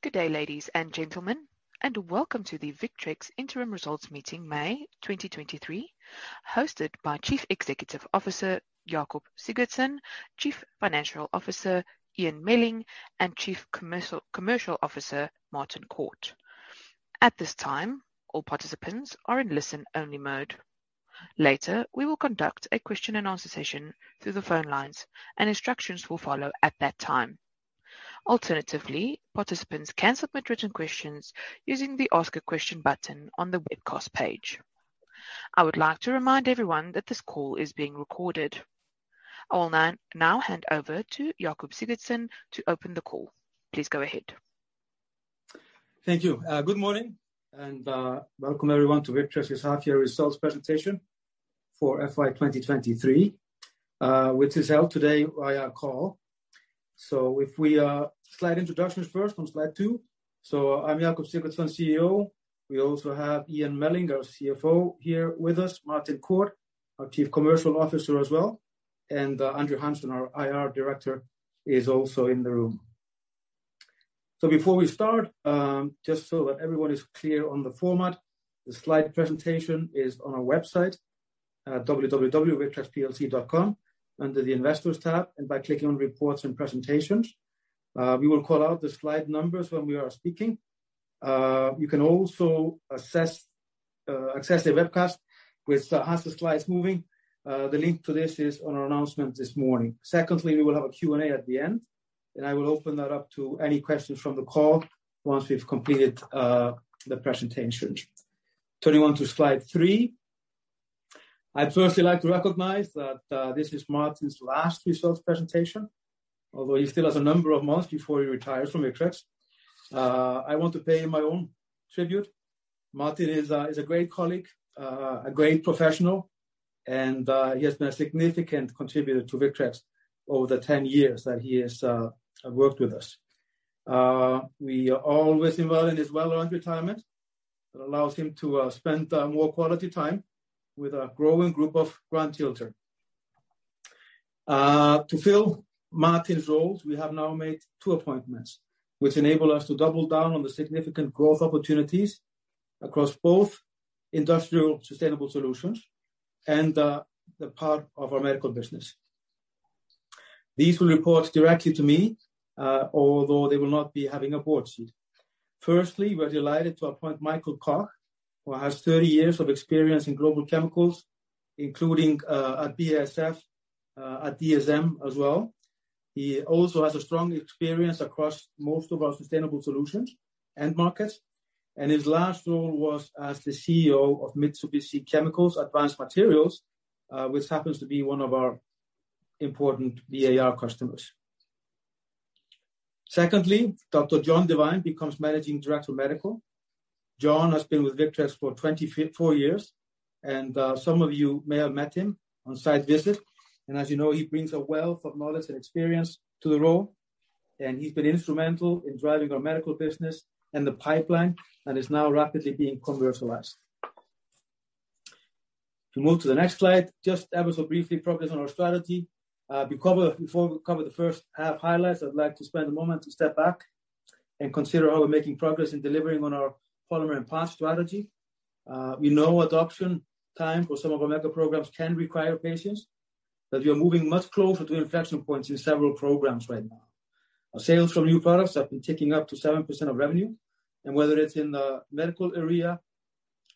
Good day, ladies and gentlemen. Welcome to the Victrex Interim Results Meeting May 2023, hosted by Chief Executive Officer, Jakob Sigurdsson, Chief Financial Officer, Ian Melling, and Chief Commercial Officer, Martin Court. At this time, all participants are in listen-only mode. Later, we will conduct a question and answer session through the phone lines. Instructions will follow at that time. Alternatively, participants can submit written questions using the Ask a Question button on the webcast page. I would like to remind everyone that this call is being recorded. I will now hand over to Jakob Sigurdsson to open the call. Please go ahead. Thank you. Good morning and welcome everyone to Victrex's Half-Year Results Presentation for FY 2023, which is held today via call. If we slide introductions first on slide two. I'm Jakob Sigurdsson, CEO. We also have Ian Melling, our CFO here with us, Martin Court, our Chief Commercial Officer as well, Andrew Hanson, our IR Director, is also in the room. Before we start, just so that everyone is clear on the format, the slide presentation is on our website at www.victrexplc.com under the Investors tab, by clicking on Reports and Presentations. We will call out the slide numbers when we are speaking. You can also access the webcast which has the slides moving. The link to this is on our announcement this morning. Secondly, we will have a Q&A at the end, and I will open that up to any questions from the call once we've completed the presentation. Turning on to slide three. I'd firstly like to recognize that this is Martin's last results presentation, although he still has a number of months before he retires from Victrex. I want to pay him my own tribute. Martin is a great colleague, a great professional, and he has been a significant contributor to Victrex over the 10 years that he has worked with us. We are all wishing Martin as well on retirement that allows him to spend more quality time with a growing group of grandchildren. To fill Martin's roles, we have now made two appointments, which enable us to double down on the significant growth opportunities across both industrial sustainable solutions and the part of our medical business. These will report directly to me, although they will not be having a board seat. Firstly, we're delighted to appoint Michael Koch, who has 30 years of experience in global chemicals, including at BASF, at DSM as well. He also has a strong experience across most of our sustainable solutions end markets, and his last role was as the CEO of Mitsubishi Chemical Advanced Materials, which happens to be one of our important VAR customers. Secondly, Dr. John Devine becomes Managing Director, Medical. John has been with Victrex for 24 years, and some of you may have met him on site visit. As you know, he brings a wealth of knowledge and experience to the role, and he's been instrumental in driving our medical business and the pipeline and is now rapidly being commercialized. To move to the next slide, just ever so briefly progress on our strategy. Before we cover the first half highlights, I'd like to spend a moment to step back and consider how we're making progress in delivering on our polymer and parts strategy. We know adoption time for some of our mega-programmes can require patience, but we are moving much closer to inflection points in several programs right now. Our sales from new products have been ticking up to 7% of revenue. Whether it's in the medical area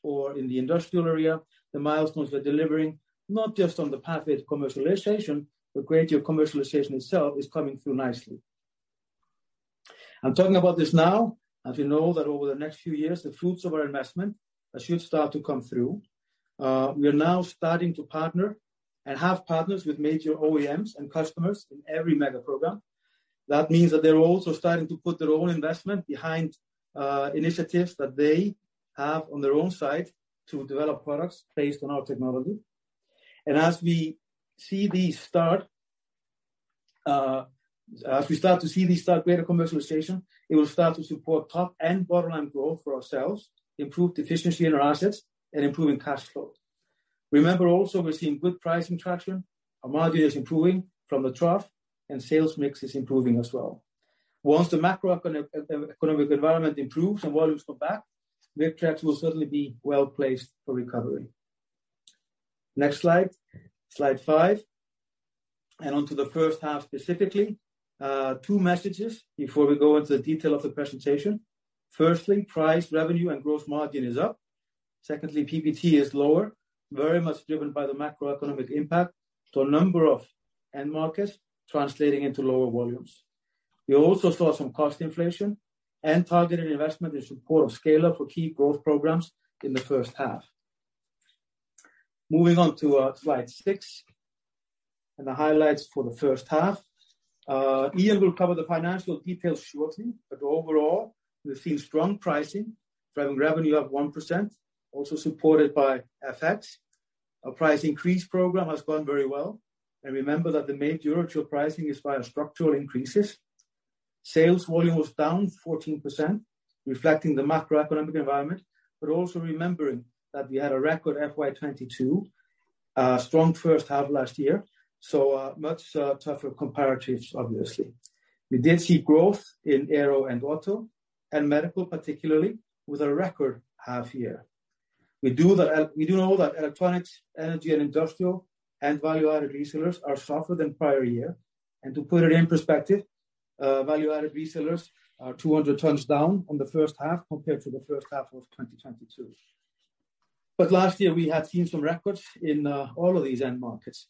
or in the industrial area, the milestones we're delivering, not just on the pathway to commercialization, but greater commercialization itself is coming through nicely. I'm talking about this now, as you know that over the next few years, the fruits of our investment should start to come through. We are now starting to partner and have partners with major OEMs and customers in every mega-programme. That means that they're also starting to put their own investment behind initiatives that they have on their own side to develop products based on our technology. As we start to see these start greater commercialization, it will start to support top and bottom line growth for ourselves, improve efficiency in our assets and improving cash flow. Remember also, we're seeing good pricing traction. Our margin is improving from the trough and sales mix is improving as well. Once the macroeconomic environment improves and volumes come back, Victrex will certainly be well-placed for recovery. Next slide five. Onto the first half, specifically, two messages before we go into the detail of the presentation. Firstly, price, revenue and gross margin is up. Secondly, PBT is lower, very much driven by the macroeconomic impact to a number of end markets translating into lower volumes. We also saw some cost inflation and targeted investment in support of scale-up for key growth programs in the first half. Moving on to slide six and the highlights for the first half. Ian will cover the financial details shortly. Overall, we've seen strong pricing, driving revenue up 1%, also supported by FX. Our price increase program has gone very well. Remember that the major input to our pricing is via structural increases. Sales volume was down 14%, reflecting the macroeconomic environment. Also remembering that we had a record FY 2022 strong first half last year, so much tougher comparatives, obviously. We did see growth in Aero and Auto, and Medical, particularly with our record half year. We do know that Electronics, Energy and Industrial and Value-Added Resellers are softer than prior year. To put it in perspective, Value-Added Resellers are 200 tons down on the first half compared to the first half of 2022. Last year we had seen some records in all of these end markets.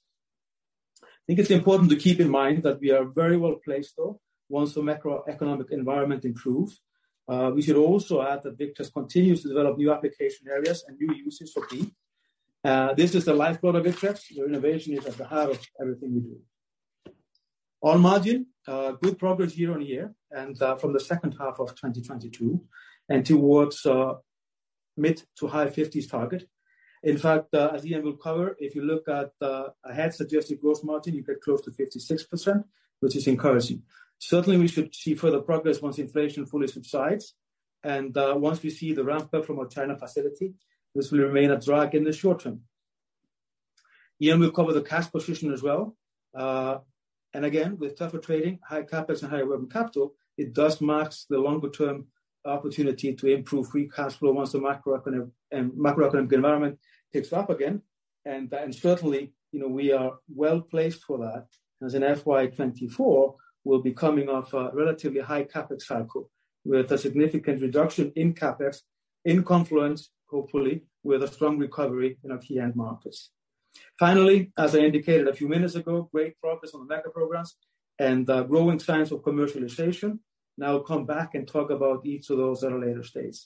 I think it's important to keep in mind that we are very well-placed, though, once the macroeconomic environment improves. We should also add that Victrex continues to develop new application areas and new uses for PEEK. This is the lifeblood of Victrex, where innovation is at the heart of everything we do. On margin, good progress year-on-year and from the second half of 2022 and towards mid-to-high 50s target. In fact, as Ian will cover, if you look at ahead suggested gross margin, you get close to 56%, which is encouraging. Certainly, we should see further progress once inflation fully subsides and once we see the ramp up from our China facility. This will remain a drag in the short term. Ian will cover the cash position as well. Again, with tougher trading, high CapEx and higher working capital, it does mask the longer term opportunity to improve free cash flow once the macroeconomic macroeconomic environment picks up again. Certainly, you know, we are well-placed for that. As in FY 2024, we'll be coming off a relatively high CapEx cycle with a significant reduction in CapEx in confluence, hopefully, with a strong recovery in our key end markets. Finally, as I indicated a few minutes ago, great progress on the mega-programmes and growing signs of commercialization. Now I'll come back and talk about each of those at a later stage.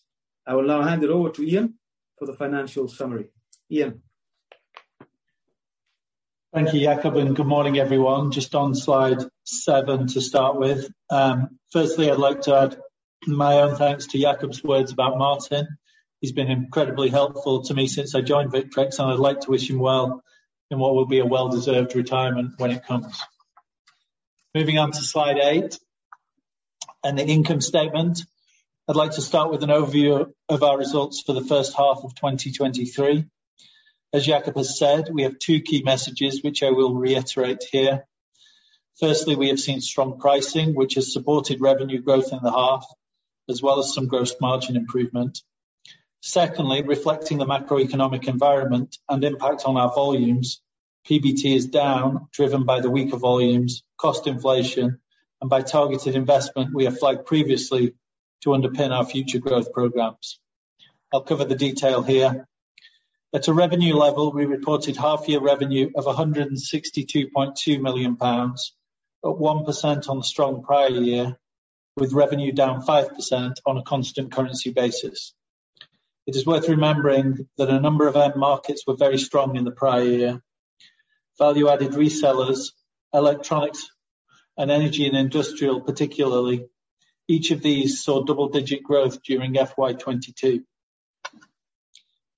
I will now hand it over to Ian for the financial summary. Ian? Thank you, Jakob. Good morning, everyone. Just on slide seven to start with. Firstly, I'd like to add my own thanks to Jakob's words about Martin. He's been incredibly helpful to me since I joined Victrex, and I'd like to wish him well in what will be a well-deserved retirement when it comes. Moving on to slide eight and the income statement. I'd like to start with an overview of our results for the first half of 2023. As Jakob has said, we have two key messages, which I will reiterate here. Firstly, we have seen strong pricing, which has supported revenue growth in the half, as well as some gross margin improvement. Secondly, reflecting the macroeconomic environment and impact on our volumes, PBT is down, driven by the weaker volumes, cost inflation, and by targeted investment we have flagged previously to underpin our future growth programs. I'll cover the detail here. At a revenue level, we reported half-year revenue of 162.2 million pounds, up 1% on the strong prior year, with revenue down 5% on a constant currency basis. It is worth remembering that a number of end markets were very strong in the prior year. Value-Added Resellers, Electronics and Energy and Industrial, particularly, each of these saw double-digit growth during FY 2022.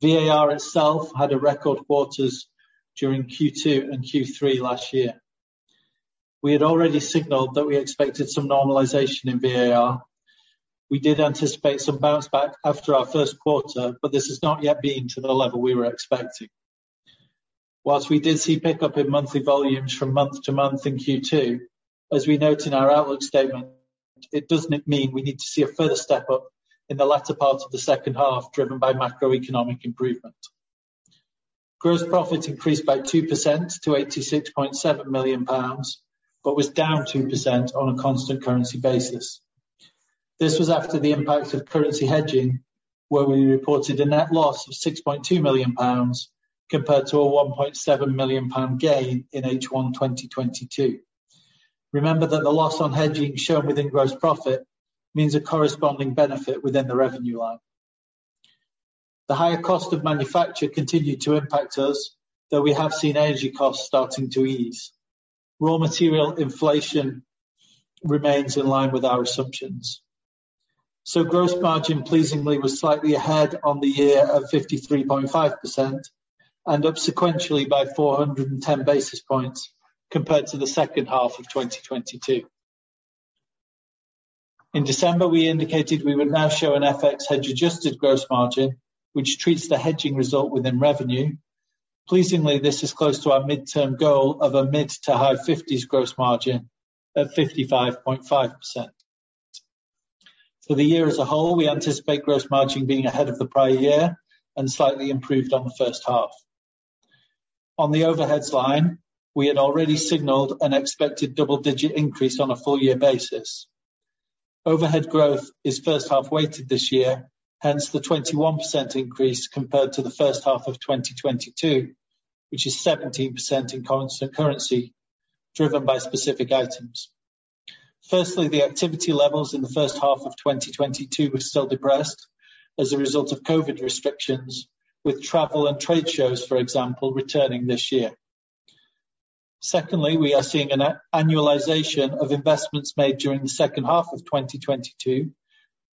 VAR itself had a record quarters during Q2 and Q3 last year. We had already signaled that we expected some normalization in VAR. We did anticipate some bounce back after our first quarter, this has not yet been to the level we were expecting. Whilst we did see pickup in monthly volumes from month-to-month in Q2, as we note in our outlook statement, it does mean we need to see a further step up in the latter part of the second half, driven by macroeconomic improvement. Gross profit increased by 2% to 86.7 million pounds, but was down 2% on a constant currency basis. This was after the impact of currency hedging, where we reported a net loss of 6.2 million pounds compared to a 1.7 million pound gain in H1 2022. Remember that the loss on hedging shown within gross profit means a corresponding benefit within the revenue line. The higher cost of manufacture continued to impact us, though we have seen energy costs starting to ease. Raw material inflation remains in line with our assumptions. Gross margin pleasingly was slightly ahead on the year of 53.5% and up sequentially by 410 basis points compared to the second half of 2022. In December, we indicated we would now show an FX hedge-adjusted gross margin, which treats the hedging result within revenue. Pleasingly, this is close to our midterm goal of a mid to high 50s gross margin at 55.5%. For the year as a whole, we anticipate gross margin being ahead of the prior year and slightly improved on the first half. On the overhead slide, we had already signaled an expected double-digit increase on a full year basis. Overhead growth is first half weighted this year, hence the 21% increase compared to the first half of 2022, which is 17% in constant currency driven by specific items. The activity levels in the first half of 2022 were still depressed as a result of COVID restrictions with travel and trade shows, for example, returning this year. We are seeing an annualization of investments made during the second half of 2022,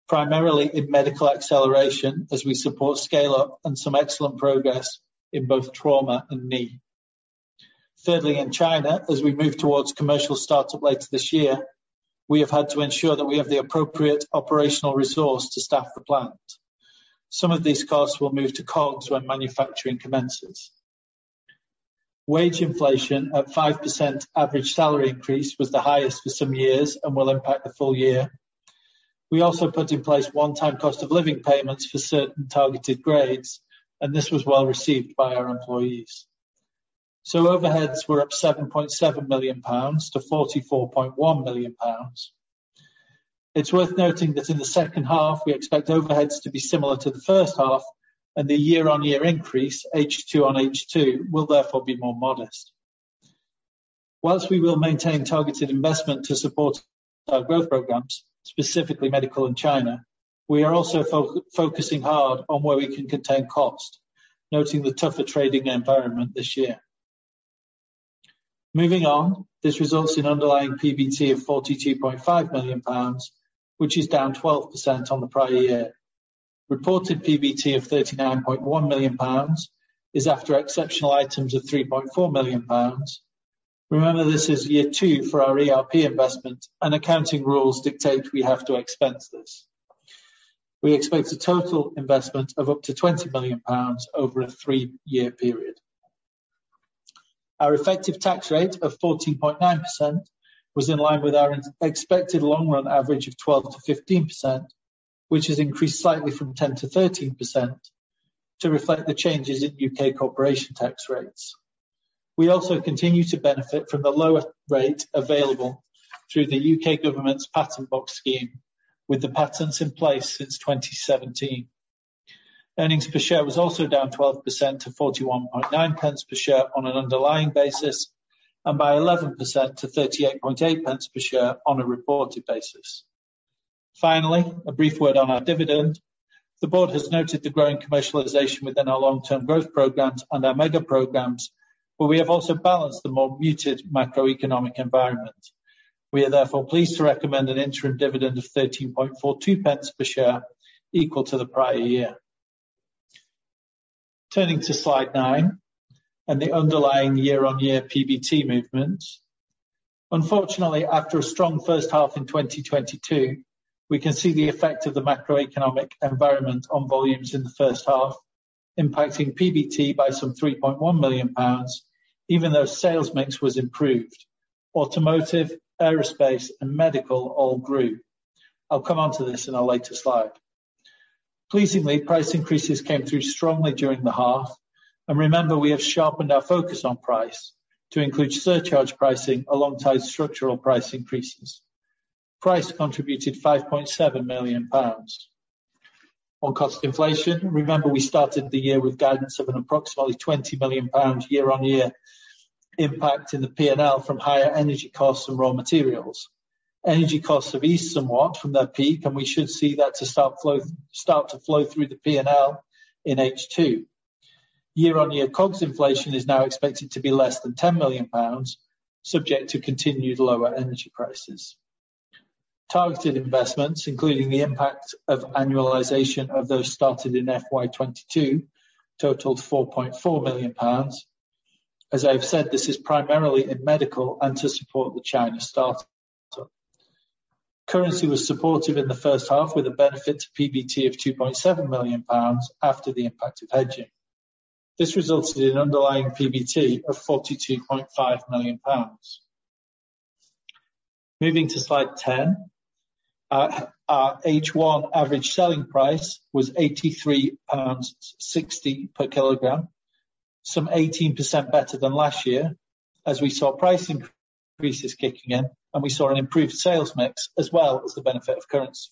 primarily in medical acceleration as we support scale-up and some excellent progress in both trauma and knee. In China, as we move towards commercial start-up later this year, we have had to ensure that we have the appropriate operational resource to staff the plant. Some of these costs will move to COGS when manufacturing commences. Wage inflation at 5% average salary increase was the highest for some years and will impact the full year. We also put in place one-time cost of living payments for certain targeted grades, and this was well-received by our employees. Overheads were up 7.7 million pounds to 44.1 million pounds. It's worth noting that in the second half, we expect overheads to be similar to the first half and the year-on-year increase, H2-on-H2, will therefore be more modest. Whilst we will maintain targeted investment to support our growth programs, specifically medical in China, we are also focusing hard on where we can contain costs, noting the tougher trading environment this year. Moving on, this results in underlying PBT of 42.5 million pounds, which is down 12% on the prior year. Reported PBT of 39.1 million pounds is after exceptional items of 3.4 million pounds. Remember, this is year two for our ERP investment, and accounting rules dictate we have to expense this. We expect a total investment of up to 20 million pounds over a three-year period. Our effective tax rate of 14.9% was in line with our expected long-run average of 12%-15%, which has increased slightly from 10%-13% to reflect the changes in U.K. corporation tax rates. We also continue to benefit from the lower rate available through the U.K. government's Patent Box scheme, with the patents in place since 2017. Earnings per share was also down 12% to 0.419 per share on an underlying basis, and by 11% to 0.388 per share on a reported basis. Finally, a brief word on our dividend. The board has noted the growing commercialization within our long-term growth programs and our mega-programmes, we have also balanced the more muted macroeconomic environment. We are therefore pleased to recommend an interim dividend of 0.1342 pence per share equal to the prior year. Turning to slide nine and the underlying year-on-year PBT movements. Unfortunately, after a strong first half in 2022, we can see the effect of the macroeconomic environment on volumes in the first half, impacting PBT by some 3.1 million pounds, even though sales mix was improved. Automotive, Aerospace, and Medical all grew. I'll come onto this in a later slide. Pleasingly, price increases came through strongly during the half. Remember, we have sharpened our focus on price to include surcharge pricing alongside structural price increases. Price contributed 5.7 million pounds. On cost inflation, remember, we started the year with guidance of an approximately 20 million pounds year-on-year impact in the P&L from higher energy costs and raw materials. Energy costs have eased somewhat from their peak, and we should see that to start to flow through the P&L in H2. Year-on-year COGS inflation is now expected to be less than 10 million pounds, subject to continued lower energy prices. Targeted investments, including the impact of annualization of those started in FY 2022, totaled 4.4 million pounds. As I have said, this is primarily in Medical and to support the China start. Currency was supportive in the first half with a benefit to PBT of 2.7 million pounds after the impact of hedging. This resulted in underlying PBT of 42.5 million pounds. Moving to slide 10. Our H1 average selling price was 83.60 pounds per kg, some 18% better than last year as we saw price increases kicking in, and we saw an improved sales mix as well as the benefit of currency.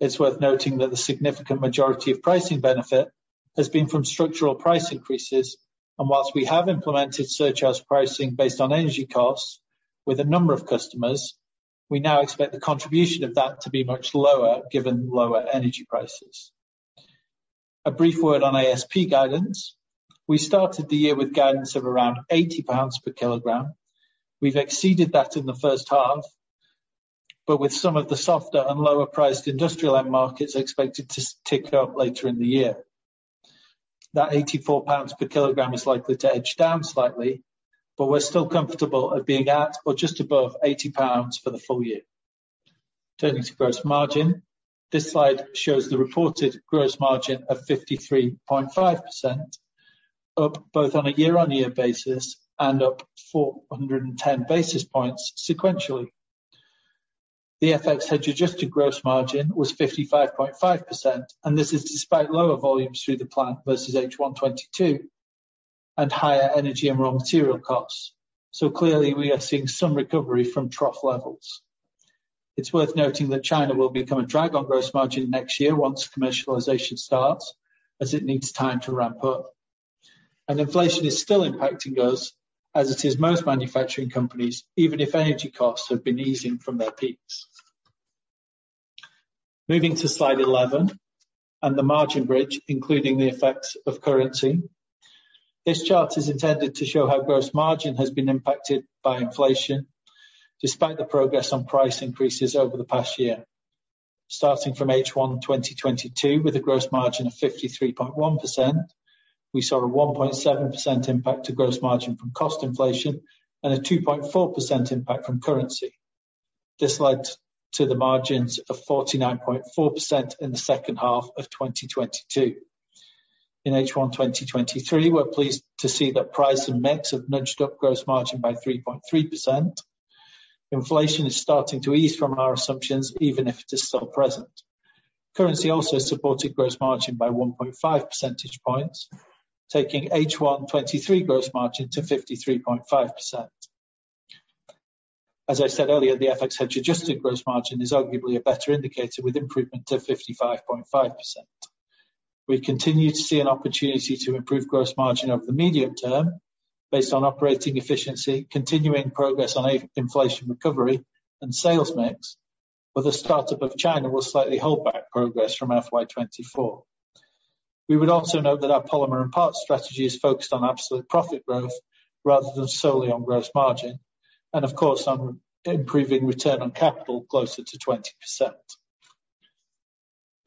It's worth noting that the significant majority of pricing benefit has been from structural price increases, and whilst we have implemented surcharge pricing based on energy costs with a number of customers, we now expect the contribution of that to be much lower given lower energy prices. A brief word on ASP guidance. We started the year with guidance of around 80 pounds per kg. We’ve exceeded that in the first half, but with some of the softer and lower-priced industrial end markets expected to tick up later in the year. That 84 pounds per ig is likely to edge down slightly, but we're still comfortable at being at or just above 80 pounds for the full year. Turning to gross margin. This slide shows the reported gross margin of 53.5%, up both on a year-on-year basis and up 410 basis points sequentially. The FX hedge-adjusted gross margin was 55.5%, and this is despite lower volumes through the plant versus H1 2022 and higher energy and raw material costs. Clearly, we are seeing some recovery from trough levels. It's worth noting that China will become a drag on gross margin next year once commercialization starts, as it needs time to ramp up. Inflation is still impacting us as it is most manufacturing companies, even if energy costs have been easing from their peaks. Moving to slide 11 and the margin bridge, including the effects of currency. This chart is intended to show how gross margin has been impacted by inflation despite the progress on price increases over the past year. Starting from H1 2022 with a gross margin of 53.1%, we saw a 1.7% impact to gross margin from cost inflation and a 2.4% impact from currency. This led to the margins of 49.4% in the second half of 2022. In H1 2023, we're pleased to see that price and mix have nudged up gross margin by 3.3%. Inflation is starting to ease from our assumptions, even if it is still present. Currency also supported gross margin by 1.5 percentage points, taking H1 2023 gross margin to 53.5%. As I said earlier, the FX hedge-adjusted gross margin is arguably a better indicator, with improvement to 55.5%. We continue to see an opportunity to improve gross margin over the medium term based on operating efficiency, continuing progress on a-inflation recovery and sales mix. The startup of China will slightly hold back progress from FY 2024. We would also note that our polymer and parts strategy is focused on absolute profit growth rather than solely on gross margin and of course, on improving return on capital closer to 20%.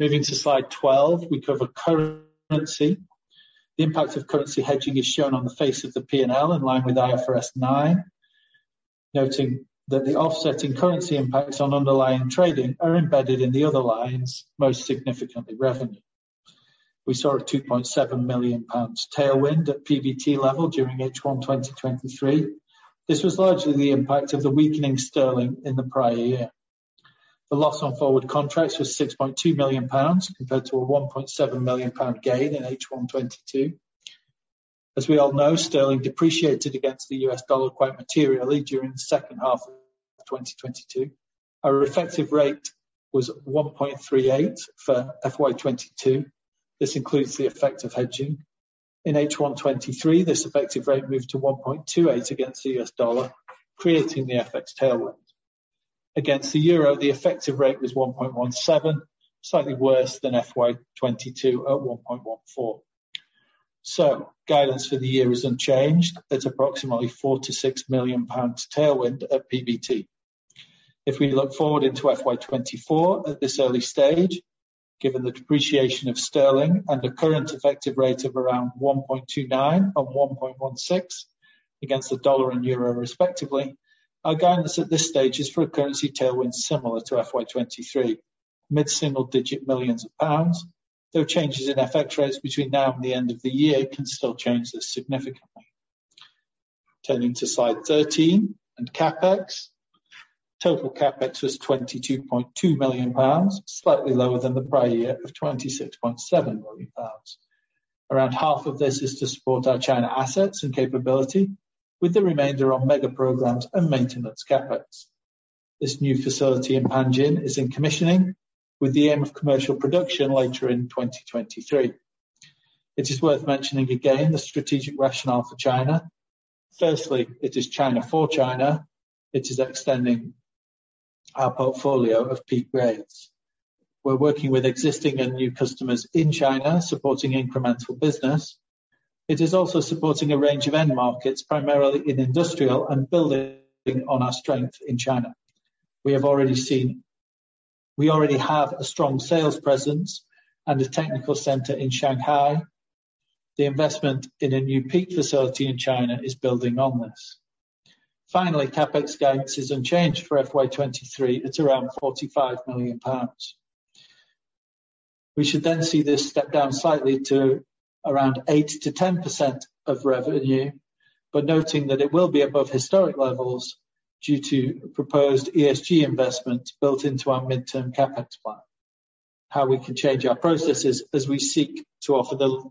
Moving to slide 12, we cover currency. The impact of currency hedging is shown on the face of the P&L, in line with IFRS 9, noting that the offsetting currency impacts on underlying trading are embedded in the other lines, most significantly, revenue. We saw a 2.7 million pounds tailwind at PBT level during H1 2023. This was largely the impact of the weakening sterling in the prior year. The loss on forward contracts was 6.2 million pounds compared to a 1.7 million pound gain in H1 2022. We all know, sterling depreciated against the U.S. dollar quite materially during the second half of 2022. Our effective rate was 1.38 for FY 2022. This includes the effect of hedging. In H1 2023, this effective rate moved to 1.28 against the U.S. dollar, creating the FX tailwind. Against the euro, the effective rate was 1.17, slightly worse than FY 2022 at 1.14. Guidance for the year is unchanged. It's approximately 4 million-6 million pounds tailwind at PBT. If we look forward into FY 2024, at this early stage, given the depreciation of sterling and the current effective rate of around 1.29 and 1.16 against the U.S. dollar and euro respectively, our guidance at this stage is for a currency tailwind similar to FY 2023. Mid-single digit millions of GBP, though changes in FX rates between now and the end of the year can still change this significantly. Turning to slide 13 and CapEx. Total CapEx was 22.2 million pounds, slightly lower than the prior year of 26.7 million pounds. Around half of this is to support our China assets and capability, with the remainder on mega-programmes and maintenance CapEx. This new facility in Panjin is in commissioning with the aim of commercial production later in 2023. It is worth mentioning again the strategic rationale for China. It is China for China. It is extending our portfolio of PEEK grades. We're working with existing and new customers in China, supporting incremental business. It is also supporting a range of end markets, primarily in industrial and building on our strength in China. We already have a strong sales presence and a technical center in Shanghai. The investment in a new PEEK facility in China is building on this. CapEx guidance is unchanged for FY 2023 at around GBP 45 million. We should see this step down slightly to around 8%-10% of revenue, but noting that it will be above historic levels due to proposed ESG investments built into our midterm CapEx plan, how we can change our processes as we seek to offer the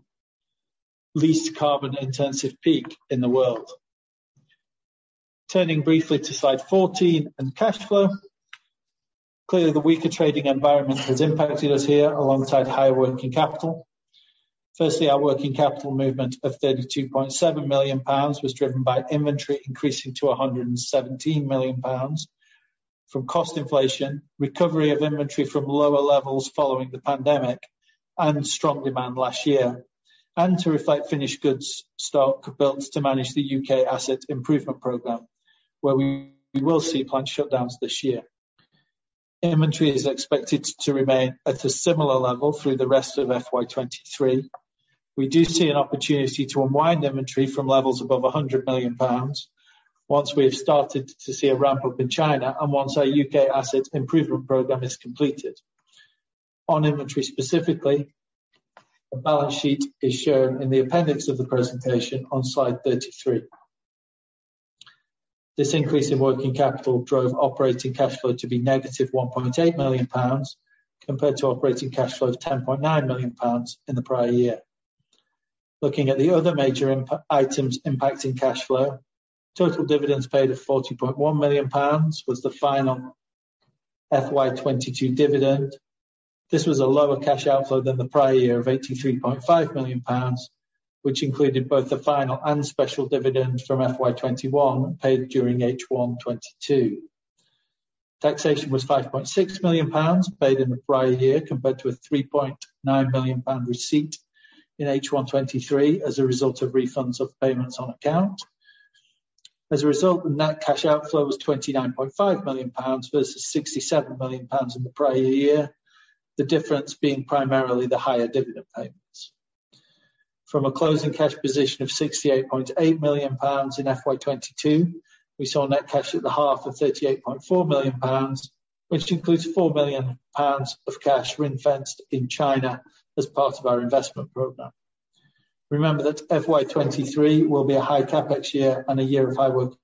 least carbon-intensive PEEK in the world. Turning briefly to slide 14 and cash flow. The weaker trading environment has impacted us here alongside higher working capital. Our working capital movement of 32.7 million pounds was driven by inventory increasing to 117 million pounds from cost inflation, recovery of inventory from lower levels following the pandemic and strong demand last year, and to reflect finished goods stock built to manage the U.K. asset improvement program, where we will see plant shutdowns this year. Inventory is expected to remain at a similar level through the rest of FY 2023. We do see an opportunity to unwind inventory from levels above 100 million pounds once we have started to see a ramp-up in China and once our U.K. asset improvement program is completed. On inventory specifically, a balance sheet is shown in the appendix of the presentation on slide 33. This increase in working capital drove operating cash flow to be -1.8 million pounds compared to operating cash flow of 10.9 million pounds in the prior year. Looking at the other major items impacting cash flow, total dividends paid of 40.1 million pounds was the final FY 2022 dividend. This was a lower cash outflow than the prior year of 83.5 million pounds, which included both the final and special dividend from FY 2021 paid during H1 2022. Taxation was 5.6 million pounds paid in the prior year compared to a 3.9 million pound receipt in H1 2023 as a result of refunds of payments on account. The net cash outflow was 29.5 million pounds versus 67 million pounds in the prior year, the difference being primarily the higher dividend payments. From a closing cash position of 68.8 million pounds in FY 2022, we saw net cash at the half of 38.4 million pounds, which includes 4 million pounds of cash ring-fenced in China as part of our investment program. Remember that FY 2023 will be a high CapEx year and a year of high working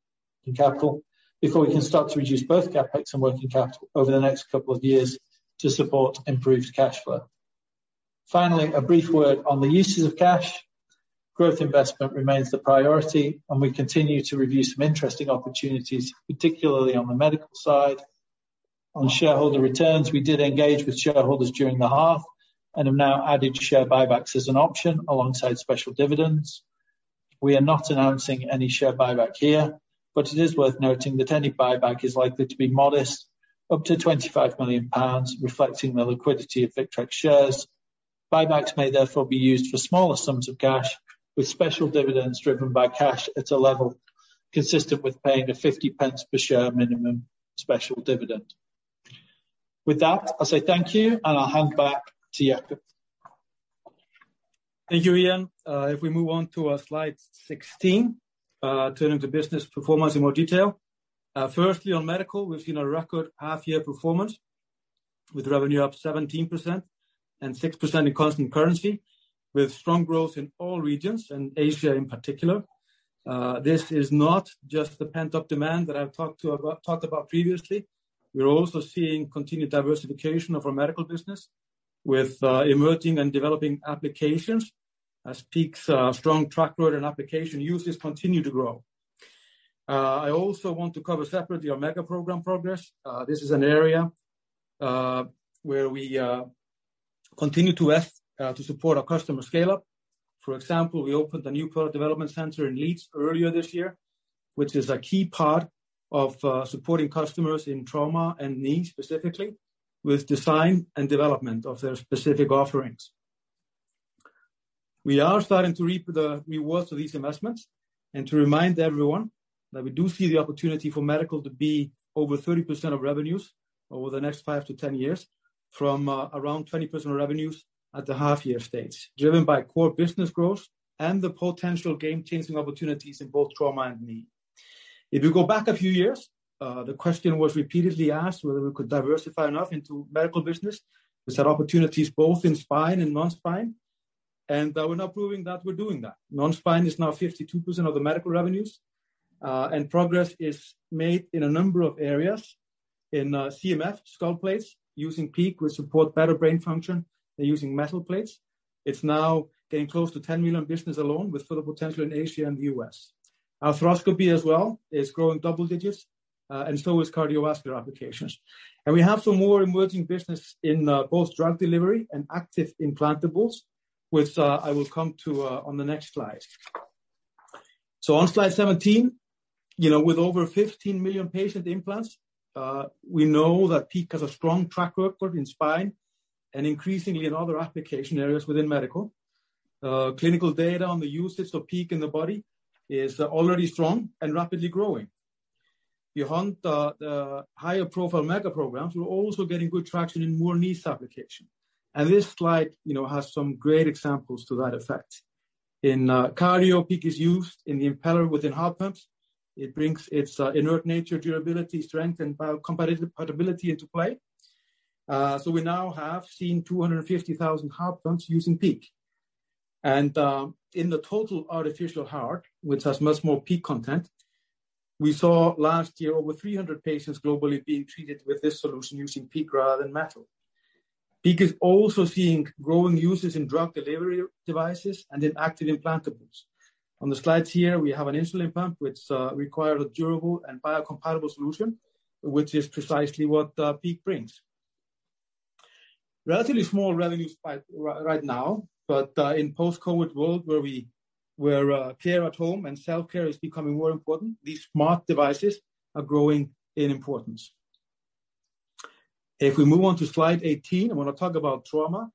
capital before we can start to reduce both CapEx and working capital over the next couple of years to support improved cash flow. A brief word on the uses of cash. Growth investment remains the priority, and we continue to review some interesting opportunities, particularly on the medical side. On shareholder returns, we did engage with shareholders during the half and have now added share buybacks as an option alongside special dividends. We are not announcing any share buyback here, but it is worth noting that any buyback is likely to be modest, up to 25 million pounds, reflecting the liquidity of Victrex shares. Buybacks may therefore be used for smaller sums of cash, with special dividends driven by cash at a level consistent with paying a 0.50 per share minimum special dividend. With that, I'll say thank you and I'll hand back to Jakob. Thank you, Ian. If we move on to slide 16, turning to business performance in more detail. Firstly, on Medical, we've seen a record half year performance with revenue up 17% and 6% in constant currency, with strong growth in all regions and Asia in particular. This is not just the pent-up demand that I've talked about previously. We're also seeing continued diversification of our medical business with emerging and developing applications as PEEK's strong track record and application uses continue to grow. I also want to cover separately our mega-programme progress. This is an area where we continue to support our customer scale-up. For example, we opened a new product development center in Leeds earlier this year, which is a key part of supporting customers in trauma and knee specifically with design and development of their specific offerings. We are starting to reap the rewards of these investments and to remind everyone that we do see the opportunity for Medical to be over 30% of revenues over the next 5–10 years from around 20% of revenues at the half year stage, driven by core business growth and the potential game-changing opportunities in both trauma and knee. If you go back a few years, the question was repeatedly asked whether we could diversify enough into medical business. We said opportunities both in spine and non-spine, and we're now proving that we're doing that. Non-spine is now 52% of the medical revenues. Progress is made in a number of areas. In CMF skull plates using PEEK, we support better brain function than using metal plates. It's now getting close to 10 million business alone with further potential in Asia and the U.S. Arthroscopy as well is growing double digits. So is cardiovascular applications. We have some more emerging business in both drug delivery and active implantables, which I will come to on the next slide. On slide 17, you know, with over 15 million patient implants, we know that PEEK has a strong track record in spine and increasingly in other application areas within medical. Clinical data on the usage of PEEK in the body is already strong and rapidly growing. Beyond the higher profile mega-programmes, we're also getting good traction in more niche application. This slide, you know, has some great examples to that effect. In cardio, PEEK is used in the impeller within heart pumps. It brings its inert nature, durability, strength, and biocompatibility into play. We now have seen 250,000 heart pumps using PEEK. In the total artificial heart, which has much more PEEK content, we saw last year over 300 patients globally being treated with this solution using PEEK rather than metal. PEEK is also seeing growing uses in drug delivery devices and in active implantables. On the slides here, we have an insulin pump which require a durable and biocompatible solution, which is precisely what PEEK brings. Relatively small revenues right now, but in post-COVID world where care at home and self-care is becoming more important, these smart devices are growing in importance. If we move on to slide 18, I want to talk about trauma.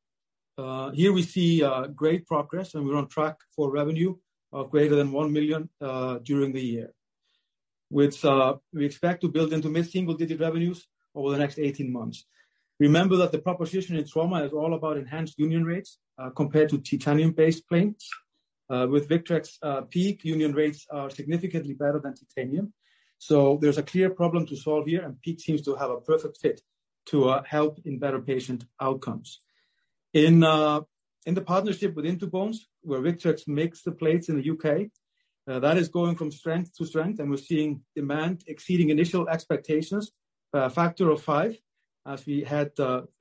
Here we see great progress, and we're on track for revenue of greater than 1 million during the year, which we expect to build into mid-single digit revenues over the next 18 months. Remember that the proposition in trauma is all about enhanced union rates compared to titanium-based plates. With Victrex PEEK union rates are significantly better than titanium. There's a clear problem to solve here, and PEEK seems to have a perfect fit to help in better patient outcomes. In the partnership with In2Bones, where Victrex makes the plates in the U.K., that is going from strength to strength, and we're seeing demand exceeding initial expectations by a factor of five as we had,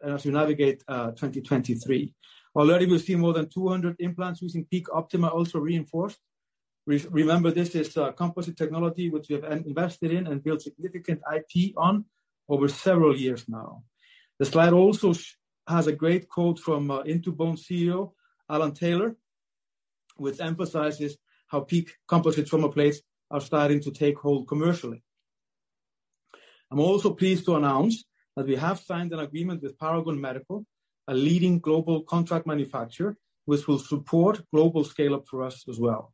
as we navigate 2023. Already, we've seen more than 200 implants using PEEK-OPTIMA also reinforced. Remember, this is composite technology which we have invested in and built significant IT on over several years now. The slide also has a great quote from In2Bones CEO, Alan Taylor, which emphasizes how PEEK composites trauma plates are starting to take hold commercially. I'm also pleased to announce that we have signed an agreement with Paragon Medical, a leading global contract manufacturer, which will support global scale-up for us as well.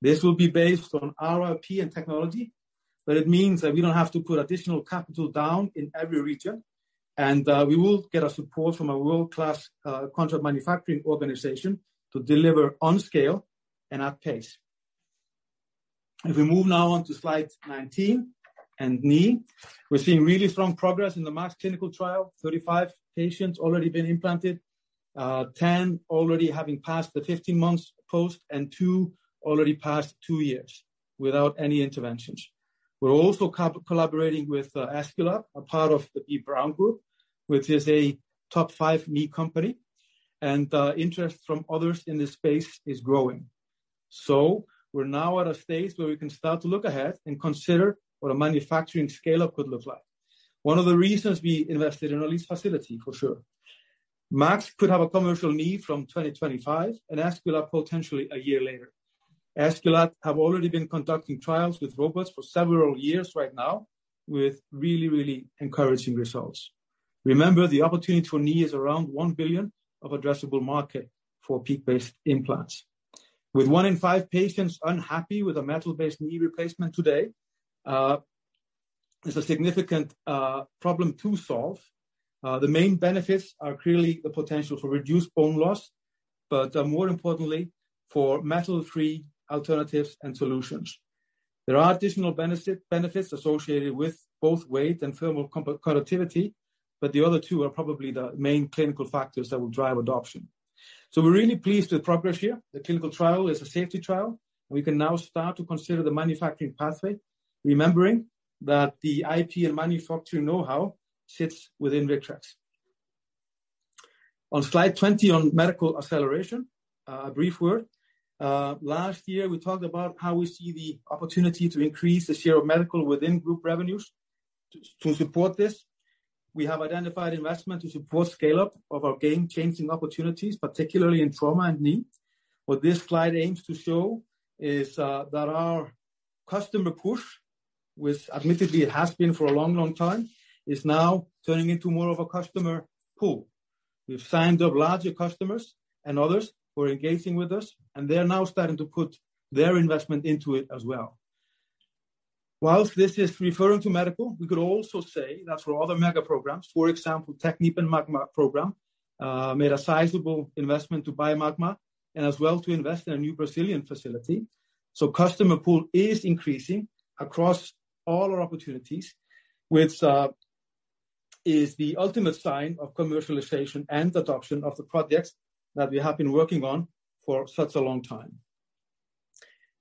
This will be based on our IP and technology, but it means that we don't have to put additional capital down in every region, and we will get a support from a world-class contract manufacturing organization to deliver on scale and at pace. If we move now on to slide 19, and knee, we're seeing really strong progress in the Maxx clinical trial. 35 patients already been implanted, 10 already having passed the 15 months post, and two already passed two years without any interventions. We're also collaborating with Aesculap, a part of the B. Braun group, which is a top five knee company, and interest from others in this space is growing. We're now at a stage where we can start to look ahead and consider what a manufacturing scale-up could look like. One of the reasons we invested in a lease facility, for sure. Maxx could have a commercial knee from 2025. Aesculap potentially a year later. Aesculap have already been conducting trials with robots for several years right now, with really, really encouraging results. Remember, the opportunity for knee is around 1 billion of addressable market for PEEK-based implants. With one in five patients unhappy with a metal-based knee replacement today, it's a significant problem to solve. The main benefits are clearly the potential for reduced bone loss, more importantly, for metal-free alternatives and solutions. There are additional benefits associated with both weight and thermal conductivity. The other two are probably the main clinical factors that will drive adoption. We're really pleased with progress here. The clinical trial is a safety trial, and we can now start to consider the manufacturing pathway, remembering that the IP and manufacturing know-how sits within Victrex. Last year, we talked about how we see the opportunity to increase the share of Medical within group revenues. To support this, we have identified investment to support scale-up of our game-changing opportunities, particularly in trauma and knee. What this slide aims to show is that our customer push, which admittedly it has been for a long, long time, is now turning into more of a customer pull. We've signed up larger customers and others who are engaging with us, and they are now starting to put their investment into it as well. Whilst this is referring to Medical, we could also say that for other mega-programmes, for example, Technip and Magma program, made a sizable investment to buy Magma and as well to invest in a new Brazilian facility. Customer pull is increasing across all our opportunities, which is the ultimate sign of commercialization and adoption of the projects that we have been working on for such a long time.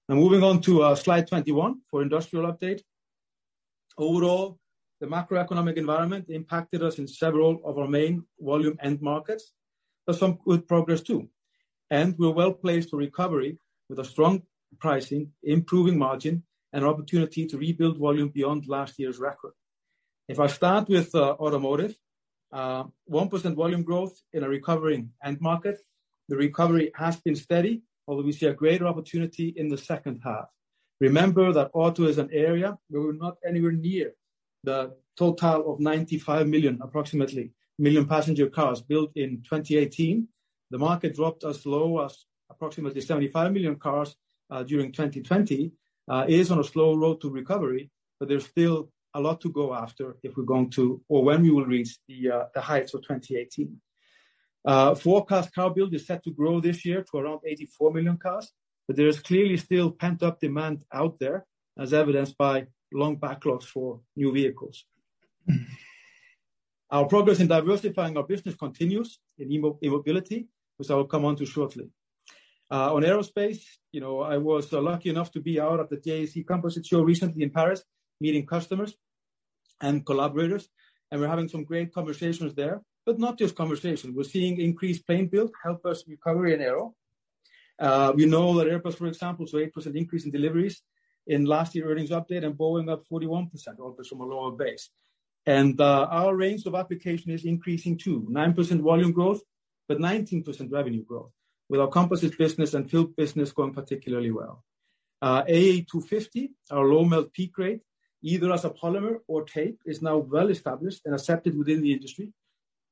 Now moving on to slide 21 for Industrial update. Overall, the macroeconomic environment impacted us in several of our main volume end markets, but some good progress too. We're well placed for recovery with a strong pricing, improving margin, and opportunity to rebuild volume beyond last year's record. If I start with Automotive, 1% volume growth in a recovering end market. The recovery has been steady, although we see a greater opportunity in the second half. Remember that auto is an area where we're not anywhere near the total of 95 million, approximately, million passenger cars built in 2018. The market dropped as low as approximately 75 million cars during 2020. It is on a slow road to recovery, but there's still a lot to go after if we're going to or when we will reach the heights of 2018. Forecast car build is set to grow this year to around 84 million cars, but there is clearly still pent-up demand out there, as evidenced by long backlogs for new vehicles. Our progress in diversifying our business continues in e-mobility, which I will come onto shortly. On Aerospace, you know, I was lucky enough to be out at the JEC World recently in Paris, meeting customers and collaborators. We're having some great conversations there. Not just conversations. We're seeing increased plane build help us recover in Aero. We know that Airbus, for example, saw 8% increase in deliveries in last year earnings update. Boeing up 41%, although from a lower base. Our range of application is increasing too, 9% volume growth, but 19% revenue growth, with our composites business and fuel business going particularly well. AE 250, our low melt PEEK grade, either as a polymer or tape, is now well established and accepted within the industry.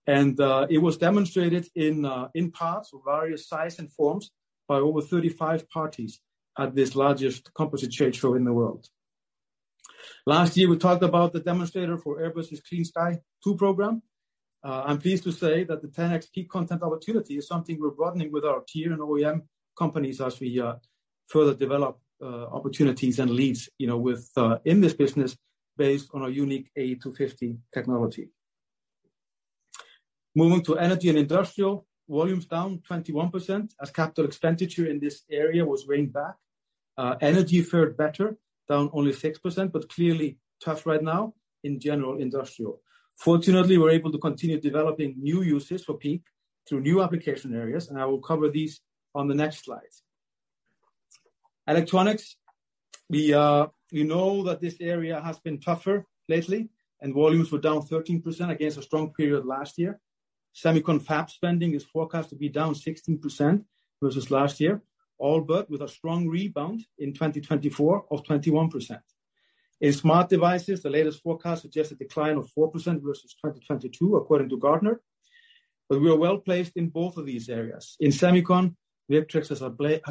It was demonstrated in parts of various size and forms by over 35 parties at this largest composite trade show in the world. Last year, we talked about the demonstrator for Airbus' Clean Sky 2 program. I'm pleased to say that the 10x PEEK content opportunity is something we're broadening with our tier and OEM companies as we further develop opportunities and leads, you know, with in this business based on our unique AE 250 technology. Moving to Energy and Industrial. Volumes down 21% as capital expenditure in this area was reigned back. Energy fared better, down only 6%, but clearly tough right now in general industrial. Fortunately, we're able to continue developing new uses for PEEK through new application areas, and I will cover these on the next slide. Electronics. We know that this area has been tougher lately and volumes were down 13% against a strong period last year. Semicon fab spending is forecast to be down 16% versus last year, all but with a strong rebound in 2024 of 21%. In smart devices, the latest forecast suggests a decline of 4% versus 2022 according to Gartner. We are well-placed in both of these areas. In Semicon, Victrex has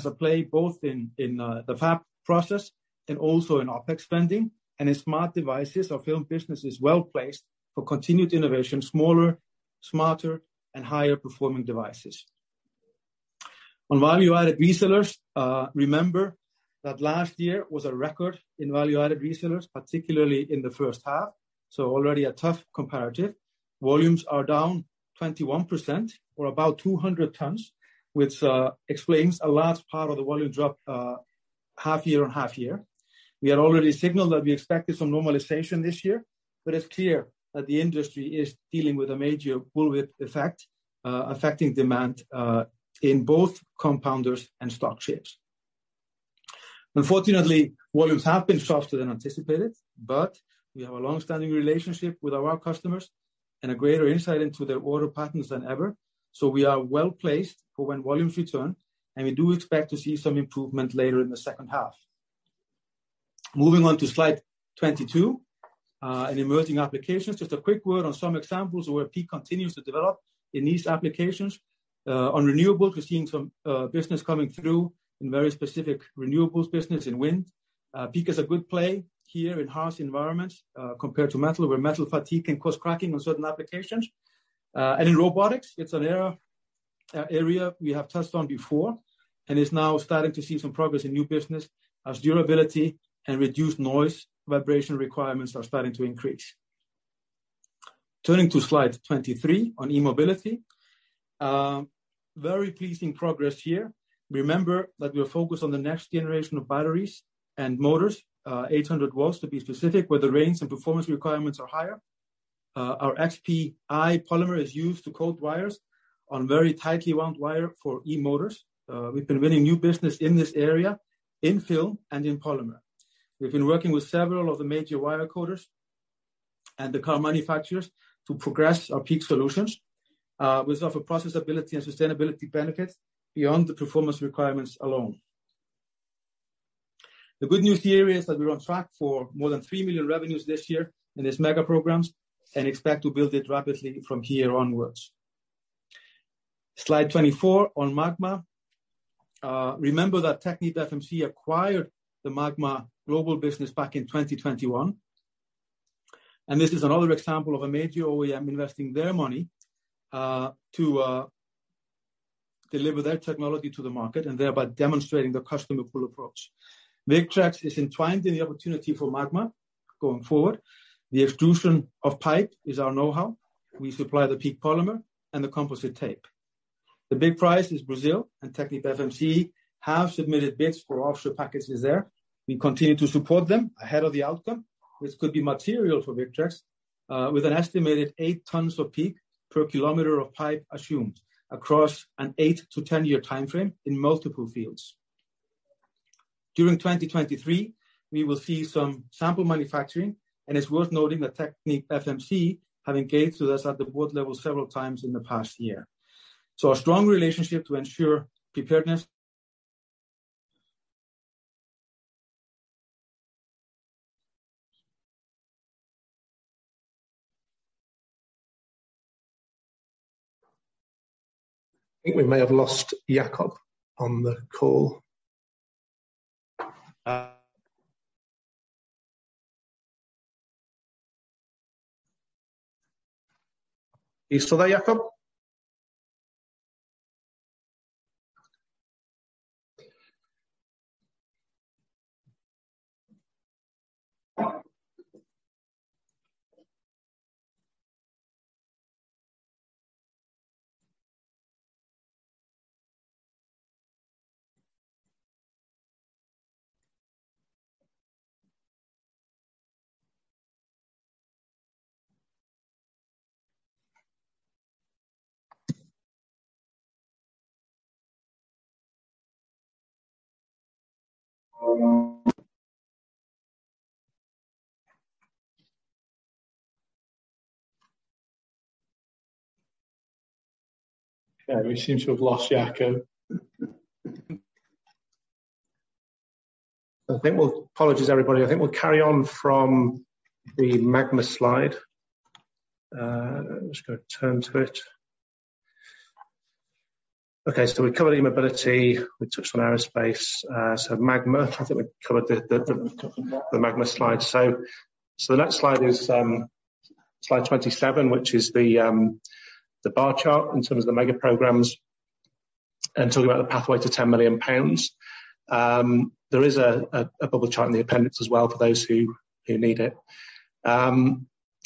a play both in the fab process and also in OpEx spending and in smart devices. Our film business is well-placed for continued innovation, smaller, smarter, and higher performing devices. On Value-Added Resellers, remember that last year was a record in Value-Added Resellers, particularly in the first half, so already a tough comparative. Volumes are down 21% or about 200 tons, which explains a large part of the volume drop, half year on half year. We had already signaled that we expected some normalization this year. It's clear that the industry is dealing with a major bullwhip effect, affecting demand, in both compounders and stock shapes. Unfortunately, volumes have been softer than anticipated. We have a long-standing relationship with our customers and a greater insight into their order patterns than ever. We are well-placed for when volumes return. We do expect to see some improvement later in the second half. Moving on to slide 22, in emerging applications, just a quick word on some examples of where PEEK continues to develop in these applications. On Renewables, we're seeing some business coming through in very specific renewables business in wind. PEEK is a good play here in harsh environments, compared to metal, where metal fatigue can cause cracking on certain applications. In Robotics, it's an area we have touched on before and is now starting to see some progress in new business as durability and reduced noise vibration requirements are starting to increase. Turning to slide 23 on e-Mobility. Very pleasing progress here. Remember that we are focused on the next generation of batteries and motors, 800 W to be specific, where the range and performance requirements are higher. Our XPI polymer is used to coat wires on very tightly wound wire for e-motors. We've been winning new business in this area in film and in polymer. We've been working with several of the major wire coaters and the car manufacturers to progress our PEEK solutions. We offer processability and sustainability benefits beyond the performance requirements alone. The good news here is that we're on track for more than 3 million revenues this year in these mega-programmes and expect to build it rapidly from here onwards. Slide 24 on Magma. Remember that TechnipFMC acquired the Magma Global business back in 2021, and this is another example of a major OEM investing their money to deliver their technology to the market and thereby demonstrating their customer-pull approach. Victrex is entwined in the opportunity for Magma going forward. The extrusion of pipe is our know-how. We supply the PEEK polymer and the composite tape. The big prize is Brazil, and TechnipFMC have submitted bids for offshore packages there. We continue to support them ahead of the outcome, which could be material for Victrex, with an estimated eight tons of PEEK per km of pipe assumed across an eight to 10-year timeframe in multiple fields. During 2023, we will see some sample manufacturing, and it's worth noting that TechnipFMC have engaged with us at the board level several times in the past year. A strong relationship to ensure preparedness. I think we may have lost Jakob on the call. You still there, Jakob? Okay, we seem to have lost Jakob. Apologies, everybody. I think we'll carry on from the Magma slide. I'm just gonna turn to it. Okay, we covered e-Mobility. We touched on Aerospace. Magma. I think we covered the Magma slide. The next slide is slide 27, which is the bar chart in terms of the mega-programmes and talking about the pathway to 10 million pounds. There is a bubble chart in the appendix as well for those who need it.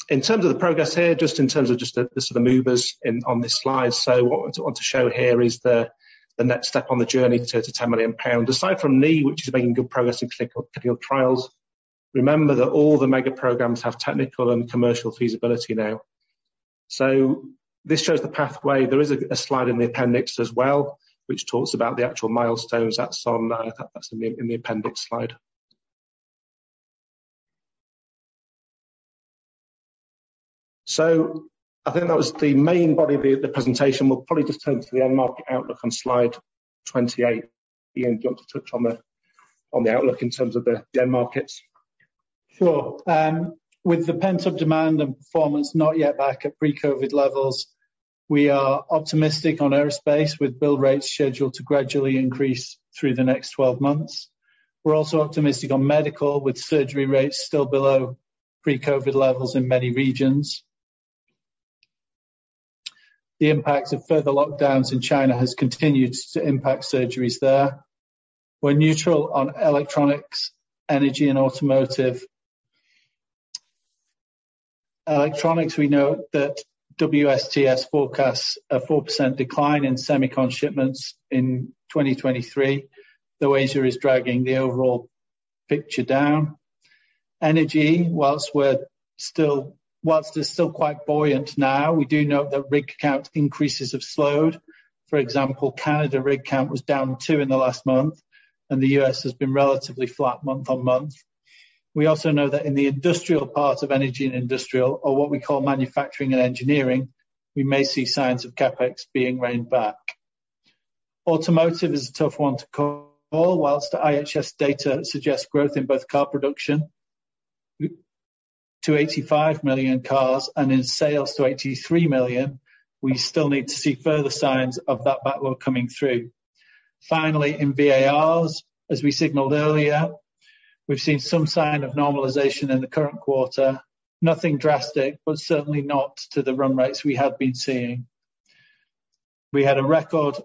In terms of the progress here, just in terms of the sort of movers in, on this slide. What we want to show here is the next step on the journey to 10 million pounds. Aside from knee, which is making good progress in clinical trials, remember that all the mega-programmes have technical and commercial feasibility now. This shows the pathway. There is a slide in the appendix as well, which talks about the actual milestones. That's on that's in the appendix slide. I think that was the main body of the presentation. We'll probably just turn to the end market outlook on slide 28. Ian, do you want to touch on the outlook in terms of the end markets? Sure. With the pent-up demand and performance not yet back at pre-COVID levels, we are optimistic on Aerospace, with build rates scheduled to gradually increase through the next 12 months. We're also optimistic on Medical, with surgery rates still below pre-COVID levels in many regions. The impact of further lockdowns in China has continued to impact surgeries there. We're neutral on Electronics, Energy, and Automotive. Electronics, we note that WSTS forecasts a 4% decline in Semicon shipments in 2023, though Asia is dragging the overall picture down. Energy, while it's still quite buoyant now, we do note that rig count increases have slowed. For example, Canada rig count was down two in the last month, and the U.S. has been relatively flat month-on-month. We also know that in the industrial part of Energy and Industrial, or what we call manufacturing and engineering, we may see signs of CapEx being reined back. Automotive is a tough one to call. Whilst the IHS data suggests growth in both car production to 85 million cars and in sales to 83 million, we still need to see further signs of that backlog coming through. Finally, in VARs, as we signaled earlier, we've seen some sign of normalization in the current quarter. Nothing drastic, but certainly not to the run rates we have been seeing. We had a record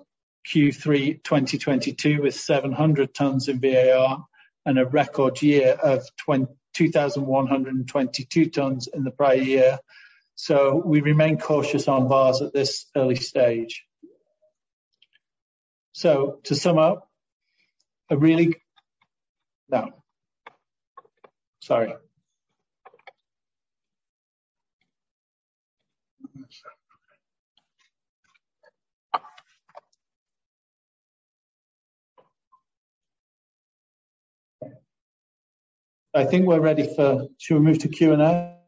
Q3 2022 with 700 tons in VAR and a record year of 2,122 tons in the prior year. We remain cautious on VARs at this early stage. To sum up, No. Sorry. I think we're ready. Shall we move to Q&A,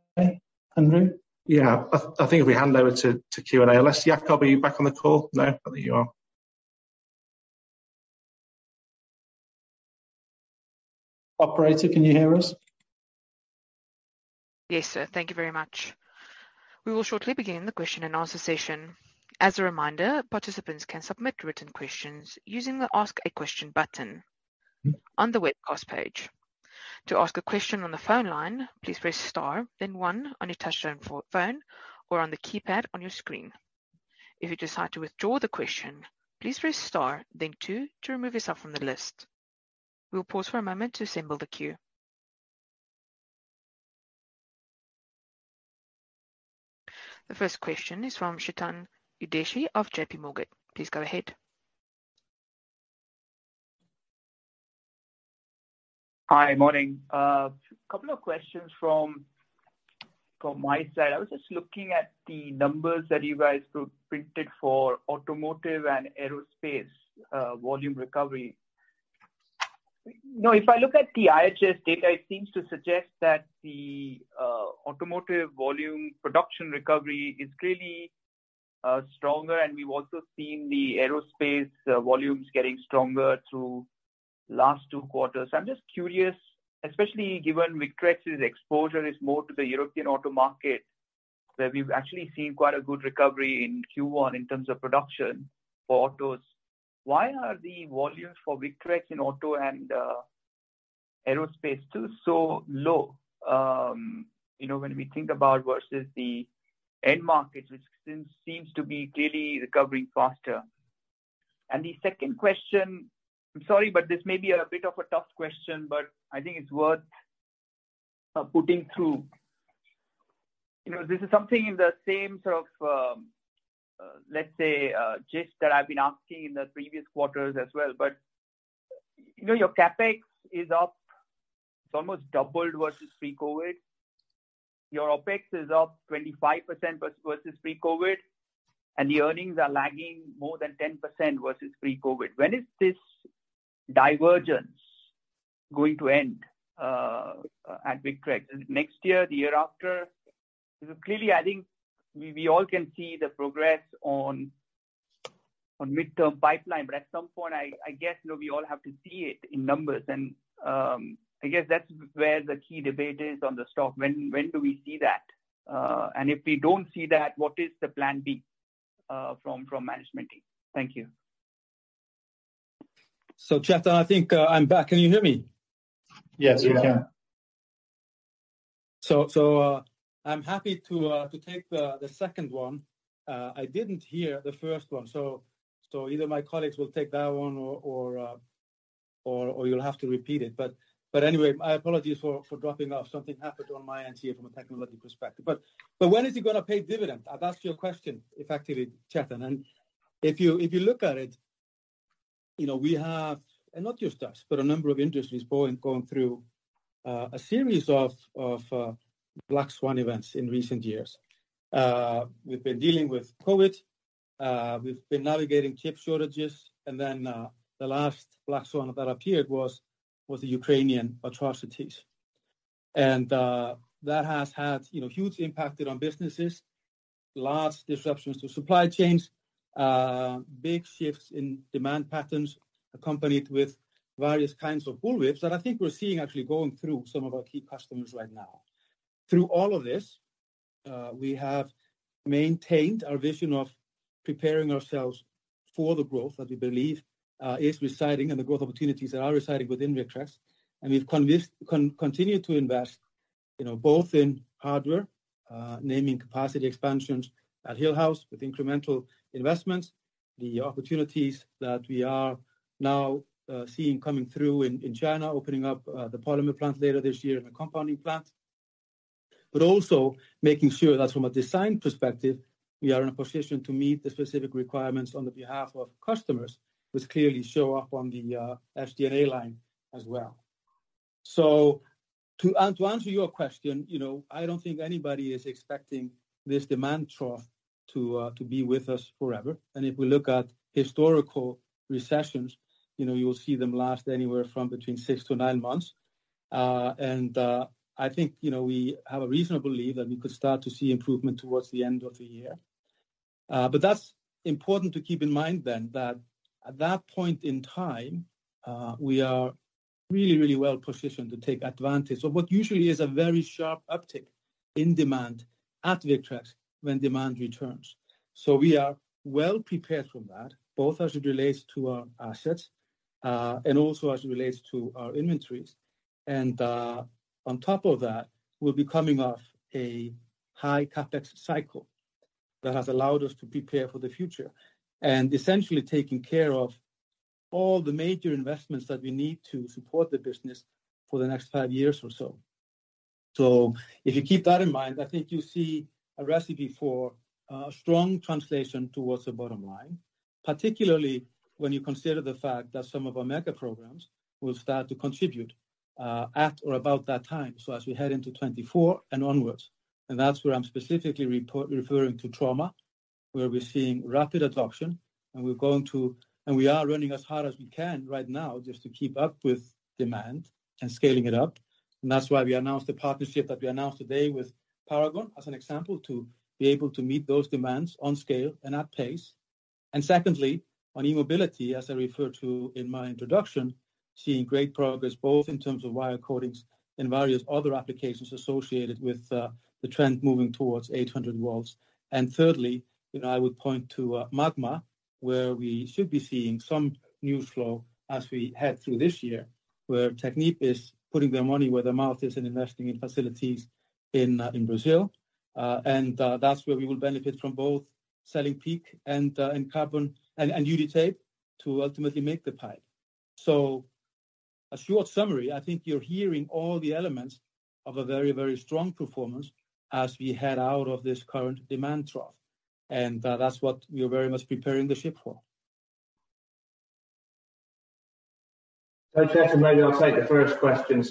Andrew? Yeah. I think if we hand over to Q&A. Jakob, are you back on the call? No, I don't think you are. Operator, can you hear us? Yes, sir. Thank you very much. We will shortly begin the question and answer session. As a reminder, participants can submit written questions using the Ask a Question button on the webcast page. To ask a question on the phone line, please press star one on your touch tone phone or on the keypad on your screen. If you decide to withdraw the question, please press star two to remove yourself from the list. We'll pause for a moment to assemble the queue. The first question is from Chetan Udeshi of JPMorgan. Please go ahead. Hi. Morning. A couple of questions from my side. I was just looking at the numbers that you guys printed for Automotive and Aerospace, volume recovery. If I look at the IHS data, it seems to suggest that the automotive volume production recovery is really stronger, and we've also seen the aerospace volumes getting stronger through last two quarters. I'm just curious, especially given Victrex's exposure is more to the European auto market, where we've actually seen quite a good recovery in Q1 in terms of production for autos. Why are the volumes for Victrex in auto and aerospace still so low? You know, when we think about versus the end market, which seems to be clearly recovering faster. The second question, I'm sorry, but this may be a bit of a tough question, but I think it's worth putting through. You know, this is something in the same sort of, let's say, gist that I've been asking in the previous quarters as well. You know, your CapEx is up. It's almost doubled versus pre-COVID. Your OpEx is up 25% versus pre-COVID, the earnings are lagging more than 10% versus pre-COVID. When is this divergence going to end at Victrex? Next year? The year after? Clearly, I think we all can see the progress on midterm pipeline, but at some point, I guess, you know, we all have to see it in numbers. I guess that's where the key debate is on the stock. When do we see that? If we don't see that, what is the plan B, from management team? Thank you. Chetan, I think, I'm back. Can you hear me? Yes, we can. I'm happy to take the second one. I didn't hear the first one, so either my colleagues will take that one or you'll have to repeat it. Anyway, my apologies for dropping off. Something happened on my end here from a technology perspective. When is it gonna pay dividend? I've asked you a question effectively, Chetan. If you look at it, you know, we have. Not just us, but a number of industries going through a series of black swan events in recent years. We've been dealing with COVID We've been navigating chip shortages, and then, the last black swan that appeared was the Ukrainian atrocities. That has had, you know, huge impacted on businesses, large disruptions to supply chains, big shifts in demand patterns accompanied with various kinds of bullwhips that I think we're seeing actually going through some of our key customers right now. Through all of this, we have maintained our vision of preparing ourselves for the growth that we believe is residing and the growth opportunities that are residing within Victrex. We've continued to invest, you know, both in hardware, naming capacity expansions at Hillhouse with incremental investments. The opportunities that we are now seeing coming through in China, opening up the polymer plant later this year and the compounding plant. Also making sure that from a design perspective, we are in a position to meet the specific requirements on the behalf of customers, which clearly show up on the SG&A line as well. To answer your question, you know, I don't think anybody is expecting this demand trough to be with us forever. If we look at historical recessions, you know, you'll see them last anywhere from between six to nine months. I think, you know, we have a reasonable belief that we could start to see improvement towards the end of the year. That's important to keep in mind then that at that point in time, we are really, really well-positioned to take advantage of what usually is a very sharp uptick in demand at Victrex when demand returns. We are well prepared for that, both as it relates to our assets, and also as it relates to our inventories. On top of that, we'll be coming off a high CapEx cycle that has allowed us to prepare for the future and essentially taking care of all the major investments that we need to support the business for the next five years or so. If you keep that in mind, I think you see a recipe for a strong translation towards the bottom line, particularly when you consider the fact that some of our mega-programmes will start to contribute at or about that time, as we head into 2024 and onwards. That's where I'm specifically referring to trauma, where we're seeing rapid adoption, and we're going to—we are running as hard as we can right now just to keep up with demand and scaling it up. That's why we announced the partnership that we announced today with Paragon as an example, to be able to meet those demands on scale and at pace. Secondly, on e-Mobility, as I referred to in my introduction, seeing great progress both in terms of wire coatings and various other applications associated with the trend moving towards 800 V. Thirdly, you know, I would point to Magma, where we should be seeing some news flow as we head through this year, where Technip is putting their money where their mouth is in investing in facilities in Brazil. That's where we will benefit from both selling PEEK and carbon and UD tape to ultimately make the pipe. A short summary, I think you're hearing all the elements of a very, very strong performance as we head out of this current demand trough, and that's what we're very much preparing the ship for. Chetan, maybe I'll take the first question.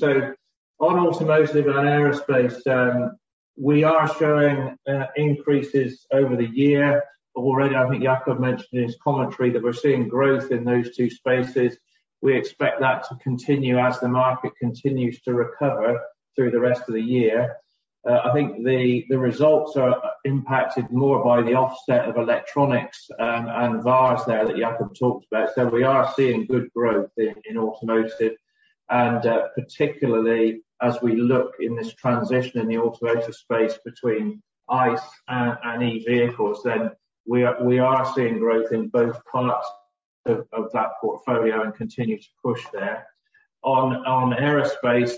On Automotive and Aerospace, we are showing increases over the year. Already I think Jakob mentioned in his commentary that we're seeing growth in those two spaces. We expect that to continue as the market continues to recover through the rest of the year. I think the results are impacted more by the offset of Electronics, and VARs there that Jakob talked about. We are seeing good growth in Automotive and particularly as we look in this transition in the automotive space between ICE and e-vehicles, then we are seeing growth in both parts of that portfolio and continue to push there. On Aerospace,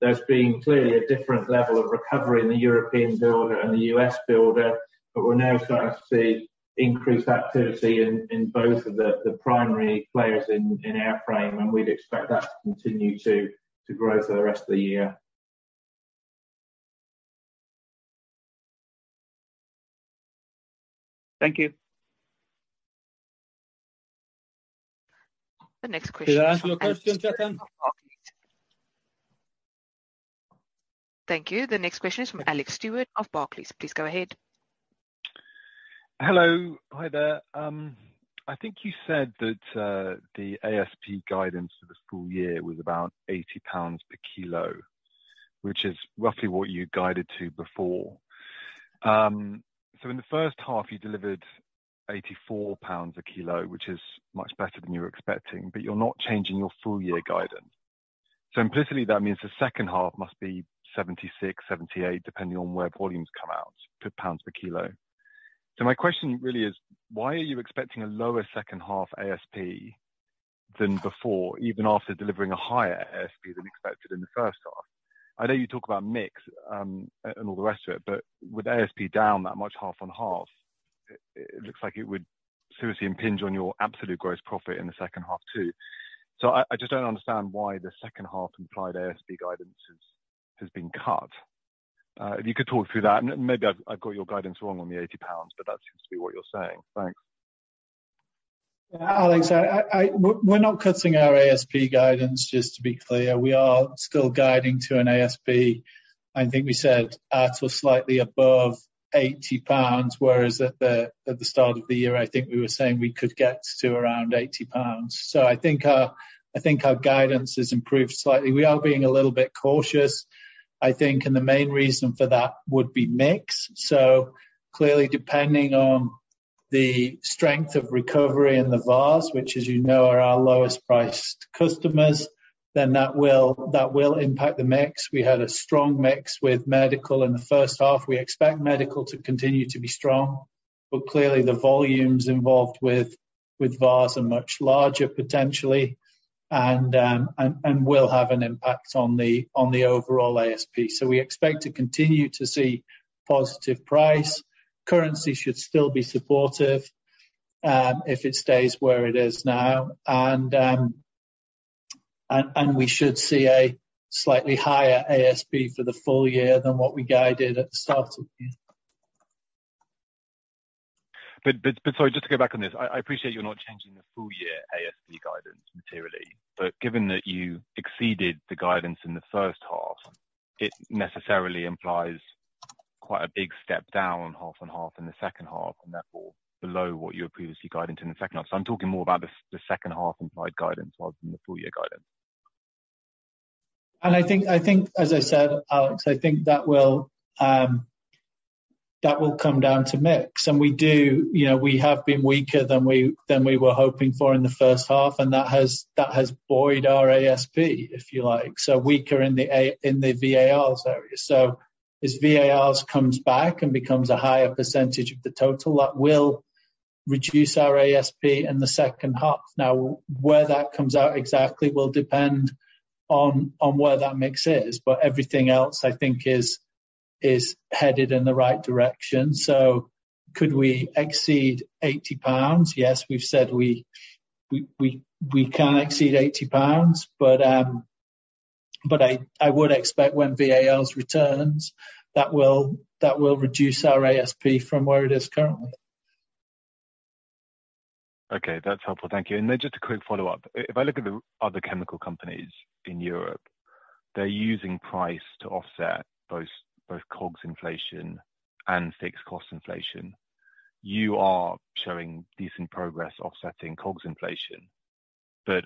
there's been clearly a different level of recovery in the European builder and the U.S. builder, but we're now starting to see increased activity in both of the primary players in airframe, and we'd expect that to continue to grow for the rest of the year. Thank you. The next question- Did it answer your question, Chetan? Thank you. The next question is from Alex Stewart of Barclays. Please go ahead. Hello. Hi there. I think you said that the ASP guidance for the full year was about 80 pounds per kilo, which is roughly what you guided to before. In the first half, you delivered 84 pounds a kilo, which is much better than you were expecting, but you're not changing your full year guidance. Implicitly, that means the second half must be 76-78 per kilo, depending on where volumes come out. My question really is why are you expecting a lower second half ASP than before, even after delivering a higher ASP than expected in the first half? I know you talk about mix and all the rest of it. With ASP down that much half on half, it looks like it would seriously impinge on your absolute gross profit in the second half too. I just don't understand why the second half implied ASP guidance has been cut. If you could talk through that. Maybe I've got your guidance wrong on the 80 pounds, but that seems to be what you're saying. Thanks. Alex, we're not cutting our ASP guidance, just to be clear. We are still guiding to an ASP. I think we said at or slightly above 80 pounds, whereas at the start of the year, I think we were saying we could get to around 80 pounds. I think our guidance has improved slightly. We are being a little bit cautious, I think, and the main reason for that would be mix. Clearly, depending on the strength of recovery in the VAR, which as you know, are our lowest priced customers, then that will impact the mix. We had a strong mix with medical in the first half. We expect Medical to continue to be strong. Clearly the volumes involved with VAR are much larger potentially, and will have an impact on the overall ASP. We expect to continue to see positive price. Currency should still be supportive if it stays where it is now. We should see a slightly higher ASP for the full year than what we guided at the start of the year. Sorry, just to go back on this. I appreciate you're not changing the full year ASP guidance materially, but given that you exceeded the guidance in the first half, it necessarily implies quite a big step down half and half in the second half and therefore below what you were previously guiding to in the second half. I'm talking more about the second half implied guidance rather than the full year guidance. I think as I said, Alex, I think that will come down to mix. We do, you know, we have been weaker than we were hoping for in the first half, and that has buoyed our ASP, if you like. Weaker in the VARs area. As VARs comes back and becomes a higher percentage of the total, that will reduce our ASP in the second half. Where that comes out exactly will depend on where that mix is, but everything else, I think is headed in the right direction. Could we exceed 80 pounds? Yes. We've said we can exceed 80 pounds, but I would expect when VARs returns, that will reduce our ASP from where it is currently. Okay. That's helpful. Thank you. Just a quick follow-up. If I look at the other chemical companies in Europe, they're using price to offset both COGS inflation and fixed cost inflation. You are showing decent progress offsetting COGS inflation.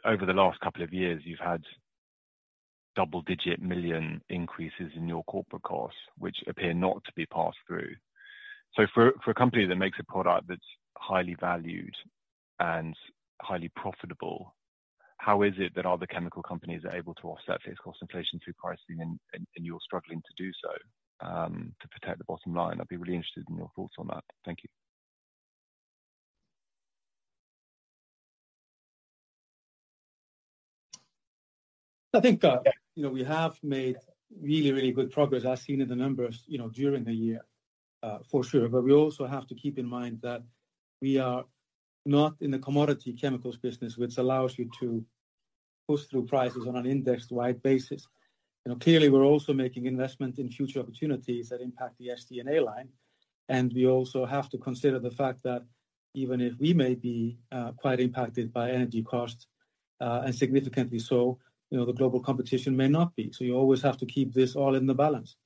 Over the last couple of years, you've had double-digit million increases in your corporate costs, which appear not to be passed through. For a company that makes a product that's highly valued and highly profitable, how is it that other chemical companies are able to offset fixed cost inflation through pricing and you're struggling to do so to protect the bottom line? I'd be really interested in your thoughts on that. Thank you. I think, you know, we have made really, really good progress as seen in the numbers, you know, during the year, for sure. We also have to keep in mind that we are not in the commodity chemicals business, which allows you to push through prices on an index-wide basis. You know, clearly, we're also making investment in future opportunities that impact the SG&A line. We also have to consider the fact that even if we may be quite impacted by energy costs, and significantly so, you know, the global competition may not be. You always have to keep this all in the balance.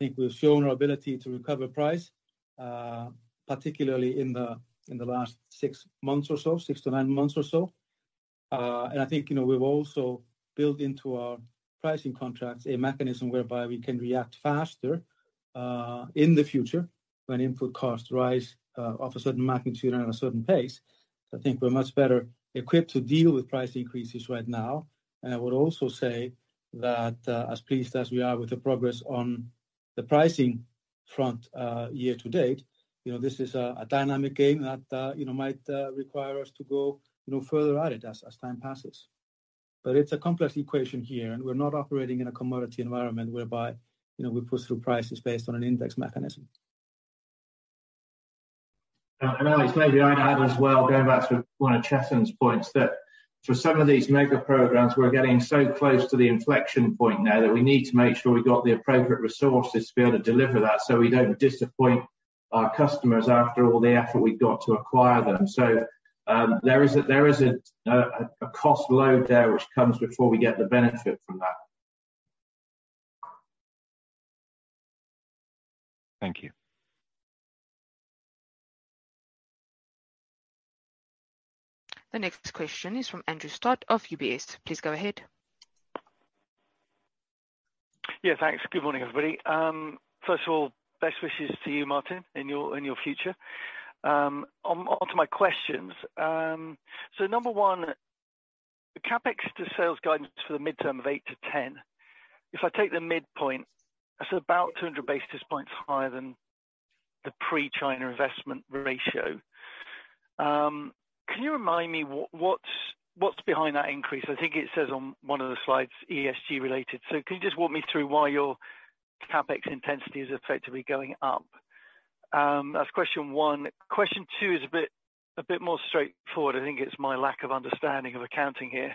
I think we've shown our ability to recover price, particularly in the, in the last six months or so, six to nine months or so. I think, you know, we've also built into our pricing contracts a mechanism whereby we can react faster in the future when input costs rise of a certain magnitude and at a certain pace. I think we're much better equipped to deal with price increases right now. I would also say that, as pleased as we are with the progress on the pricing front, year-to-date, you know, this is a dynamic game that, you know, might require us to go, you know, further at it as time passes. It's a complex equation here, and we're not operating in a commodity environment whereby, you know, we push through prices based on an index mechanism. Alex, maybe I'd add as well, going back to one of Chetan's points, that for some of these mega-programmes, we're getting so close to the inflection point now that we need to make sure we got the appropriate resources to be able to deliver that, so we don't disappoint our customers after all the effort we've got to acquire them. There is a cost load there which comes before we get the benefit from that. Thank you. The next question is from Andrew Stott of UBS. Please go ahead. Yeah, thanks. Good morning, everybody. First of all, best wishes to you, Martin, in your future. On to my questions. Number one, the CapEx to sales guidance for the midterm of eight to 10. If I take the midpoint, that's about 200 basis points higher than the pre-China investment ratio. Can you remind me what's behind that increase? I think it says on one of the slides, ESG related. Can you just walk me through why your CapEx intensity is effectively going up? That's question one. Question two is a bit more straightforward. I think it's my lack of understanding of accounting here.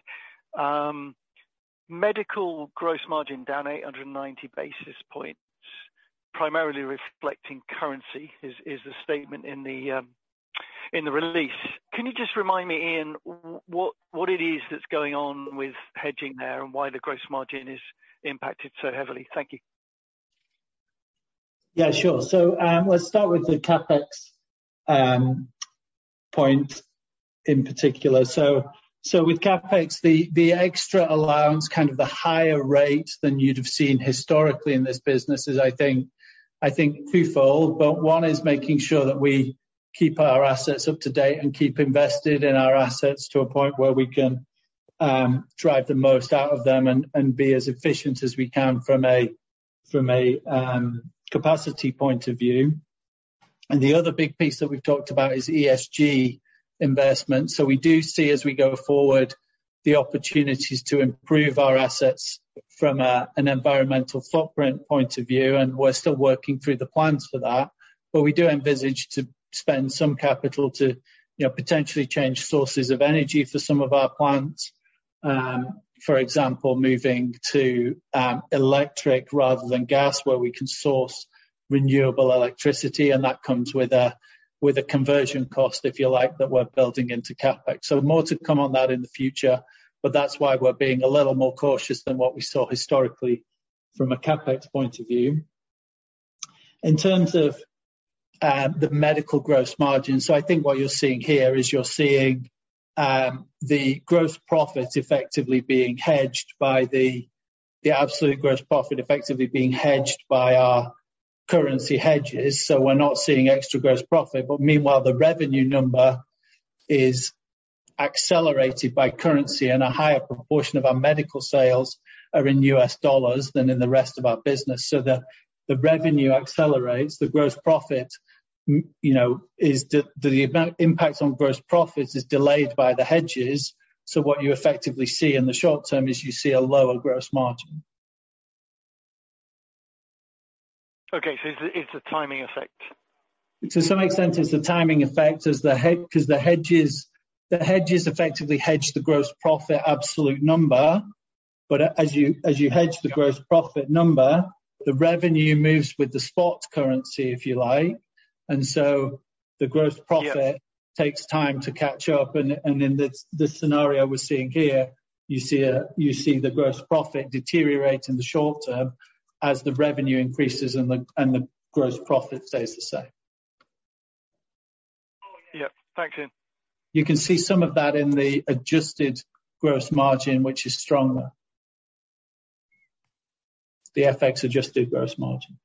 Medical gross margin down 890 basis points Primarily reflecting currency is a statement in the release. Can you just remind me, Ian, what it is that's going on with hedging there and why the gross margin is impacted so heavily? Thank you. Yeah, sure. Let's start with the CapEx point in particular. With CapEx, the extra allowance, kind of the higher rate than you'd have seen historically in this business is I think twofold. One is making sure that we keep our assets up to date and keep invested in our assets to a point where we can drive the most out of them and be as efficient as we can from a capacity point of view. The other big piece that we've talked about is ESG investment. We do see as we go forward, the opportunities to improve our assets from an environmental footprint point of view, and we're still working through the plans for that. We do envisage to spend some capital to, you know, potentially change sources of energy for some of our plants, for example, moving to electric rather than gas where we can source renewable electricity, and that comes with a conversion cost, if you like, that we're building into CapEx. More to come on that in the future, but that's why we're being a little more cautious than what we saw historically from a CapEx point of view. In terms of the Medical gross margin, I think what you're seeing here is you're seeing the gross profit effectively being hedged by the absolute gross profit effectively being hedged by our currency hedges. We're not seeing extra gross profit. Meanwhile, the revenue number is accelerated by currency, and a higher proportion of our medical sales are in U.S. dollars than in the rest of our business. The revenue accelerates the gross profit. you know, is the amount impact on gross profits is delayed by the hedges. What you effectively see in the short term is you see a lower gross margin. Okay. It's a timing effect. To some extent, it's the timing effect as 'cause the hedges effectively hedge the gross profit absolute number. As you hedge the gross profit number, the revenue moves with the spot currency, if you like. The gross profit takes time to catch up. In this scenario we're seeing here, you see the gross profit deteriorate in the short term as the revenue increases and the gross profit stays the same. Yeah. Thanks, Ian. You can see some of that in the adjusted gross margin, which is stronger. The FX-adjusted gross margin.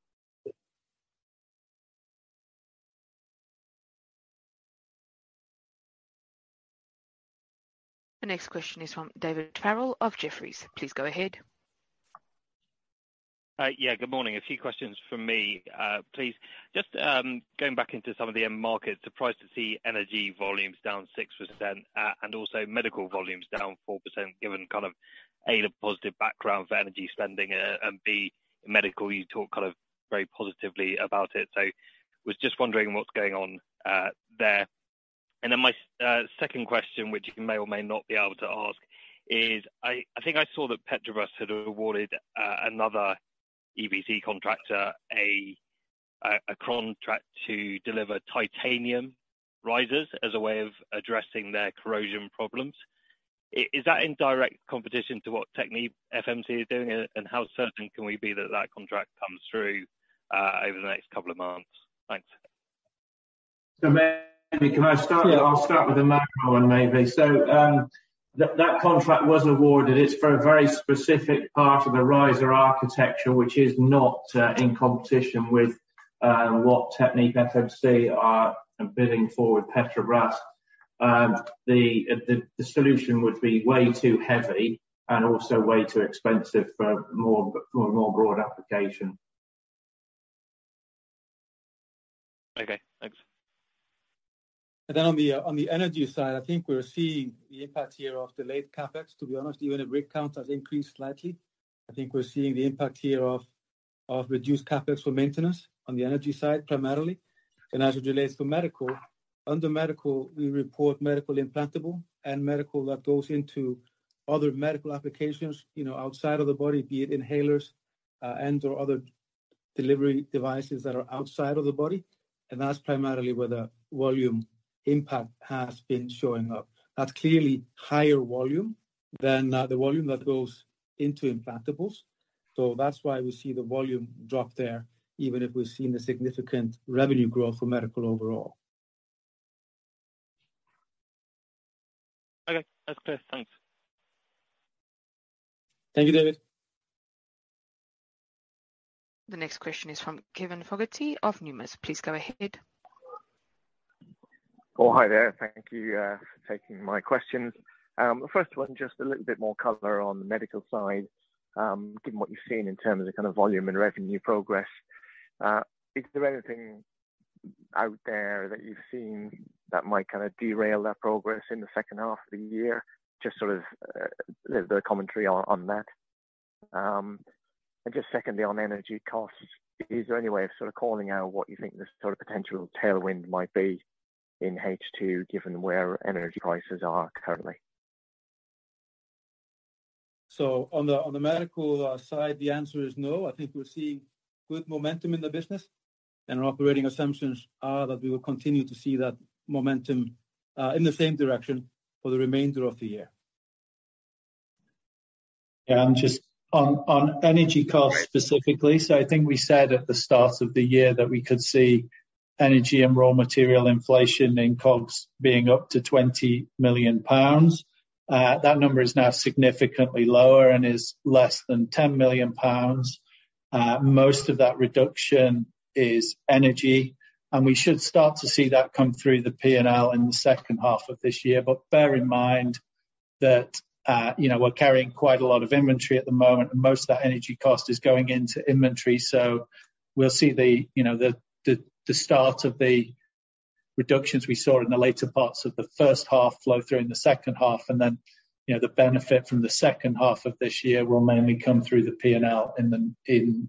The next question is from David Farrell of Jefferies. Please go ahead. Yeah. Good morning. A few questions from me, please. Just going back into some of the end markets, surprised to see Energy volumes down 6% and also Medical volumes down 4%, given kind of A, the positive background for energy spending and B, medical, you talk kind of very positively about it. Was just wondering what's going on there. My second question, which you may or may not be able to ask is, I think I saw that Petrobras had awarded another EPC contractor a contract to deliver titanium risers as a way of addressing their corrosion problems. Is that in direct competition to what TechnipFMC is doing and how certain can we be that that contract comes through over the next couple of months? Thanks. I'll start with the macro one maybe. That contract was awarded. It's for a very specific part of the riser architecture, which is not in competition with what TechnipFMC are building for Petrobras. The solution would be way too heavy and also way too expensive for a more broad application. Okay, thanks. On the Energy side, I think we're seeing the impact here of delayed CapEx, to be honest, even if rig count has increased slightly. I think we're seeing the impact here of reduced CapEx for maintenance on the energy side primarily. As it relates to Medical, under medical, we report medical implantable and medical that goes into other medical applications, you know, outside of the body, be it inhalers, and/or other delivery devices that are outside of the body, and that's primarily where the volume impact has been showing up. That's clearly higher volume than the volume that goes into implantables. That's why we see the volume drop there, even if we've seen a significant revenue growth for medical overall. Okay. That's clear. Thanks. Thank you, David. The next question is from Kevin Fogarty of Numis. Please go ahead. Hi there. Thank you for taking my questions. The first one, just a little bit more color on the Medical side, given what you've seen in terms of kind of volume and revenue progress. Is there anything out there that you've seen that might kinda derail that progress in the second half of the year? Just sort of the commentary on that. Just secondly, on energy costs, is there any way of sort of calling out what you think the sort of potential tailwind might be in H2, given where energy prices are currently? On the Medical side, the answer is no. I think we're seeing good momentum in the business, and our operating assumptions are that we will continue to see that momentum in the same direction for the remainder of the year. Just on energy costs specifically, I think we said at the start of the year that we could see energy and raw material inflation in COGS being up to 20 million pounds. That number is now significantly lower and is less than 10 million pounds. Most of that reduction is energy, and we should start to see that come through the P&L in the second half of this year. Bear in mind that, you know, we're carrying quite a lot of inventory at the moment, and most of that energy cost is going into inventory. We'll see the, you know, the start of the reductions we saw in the later parts of the first half flow through in the second half. You know, the benefit from the second half of this year will mainly come through the P&L in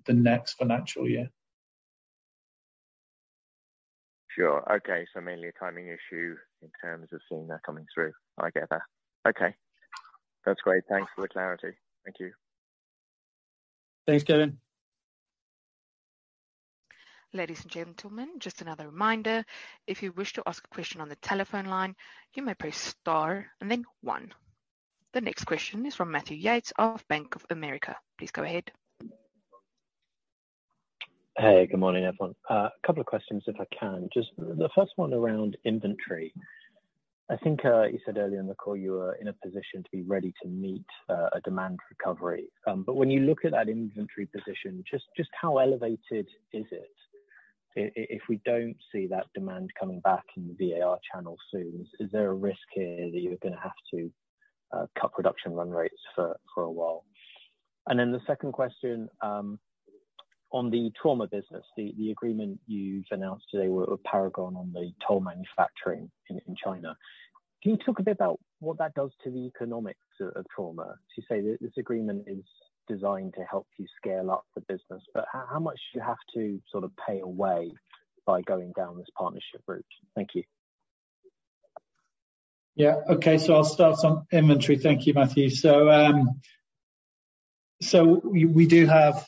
the next financial year. Sure. Okay. Mainly a timing issue in terms of seeing that coming through. I get that. Okay. That's great. Thanks for the clarity. Thank you. Thanks, Kevin. Ladies and gentlemen, just another reminder, if you wish to ask a question on the telephone line, you may press star and then one. The next question is from Matthew Yates of Bank of America. Please go ahead. Hey, good morning, everyone. Couple of questions, if I can. Just the first one around inventory. I think you said earlier in the call you are in a position to be ready to meet a demand recovery. But when you look at that inventory position, just how elevated is it? If we don't see that demand coming back in the VAR channel soon, is there a risk here that you're gonna have to cut production run rates for a while? The second question on the trauma business, the agreement you've announced today with Paragon on the toll manufacturing in China. Can you talk a bit about what that does to the economics of trauma? You say this agreement is designed to help you scale up the business, but how much do you have to sort of pay away by going down this partnership route? Thank you. Okay. I'll start on inventory. Thank you, Matthew. We do have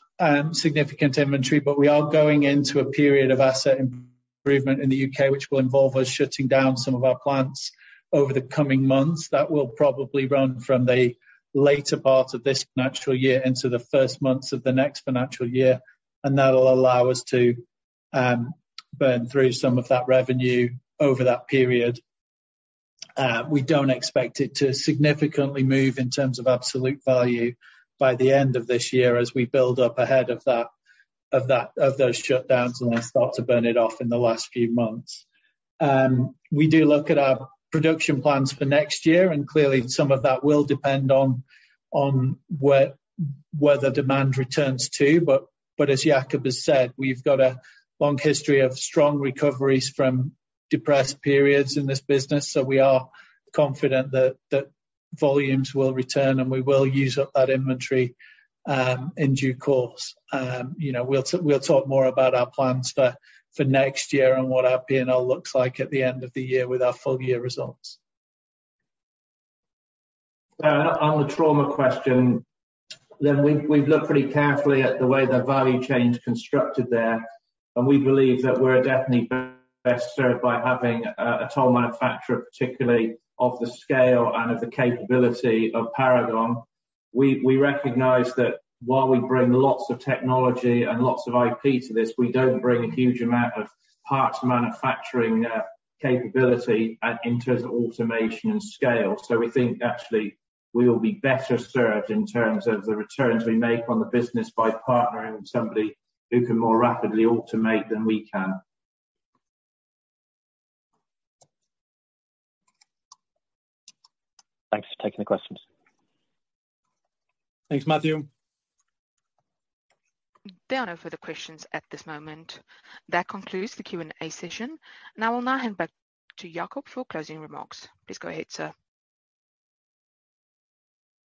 significant inventory, but we are going into a period of asset improvement in the U.K., which will involve us shutting down some of our plants over the coming months. That will probably run from the later part of this financial year into the first months of the next financial year, and that'll allow us to burn through some of that revenue over that period. We don't expect it to significantly move in terms of absolute value by the end of this year as we build up ahead of those shutdowns, and then start to burn it off in the last few months. We do look at our production plans for next year. Clearly some of that will depend on where the demand returns to. As Jakob has said, we've got a long history of strong recoveries from depressed periods in this business. We are confident that volumes will return, and we will use up that inventory in due course. You know, we'll talk more about our plans for next year and what our P&L looks like at the end of the year with our full year results. On the trauma question, we've looked pretty carefully at the way the value chain's constructed there. We believe that we're definitely best served by having a toll manufacturer, particularly of the scale and of the capability of Paragon. We recognize that while we bring lots of technology and lots of IP to this, we don't bring a huge amount of parts manufacturing capability in terms of automation and scale. We think actually we will be better served in terms of the returns we make on the business by partnering with somebody who can more rapidly automate than we can. Thanks for taking the questions. Thanks, Matthew. There are no further questions at this moment. That concludes the Q&A session. I will now hand back to Jakob for closing remarks. Please go ahead, sir.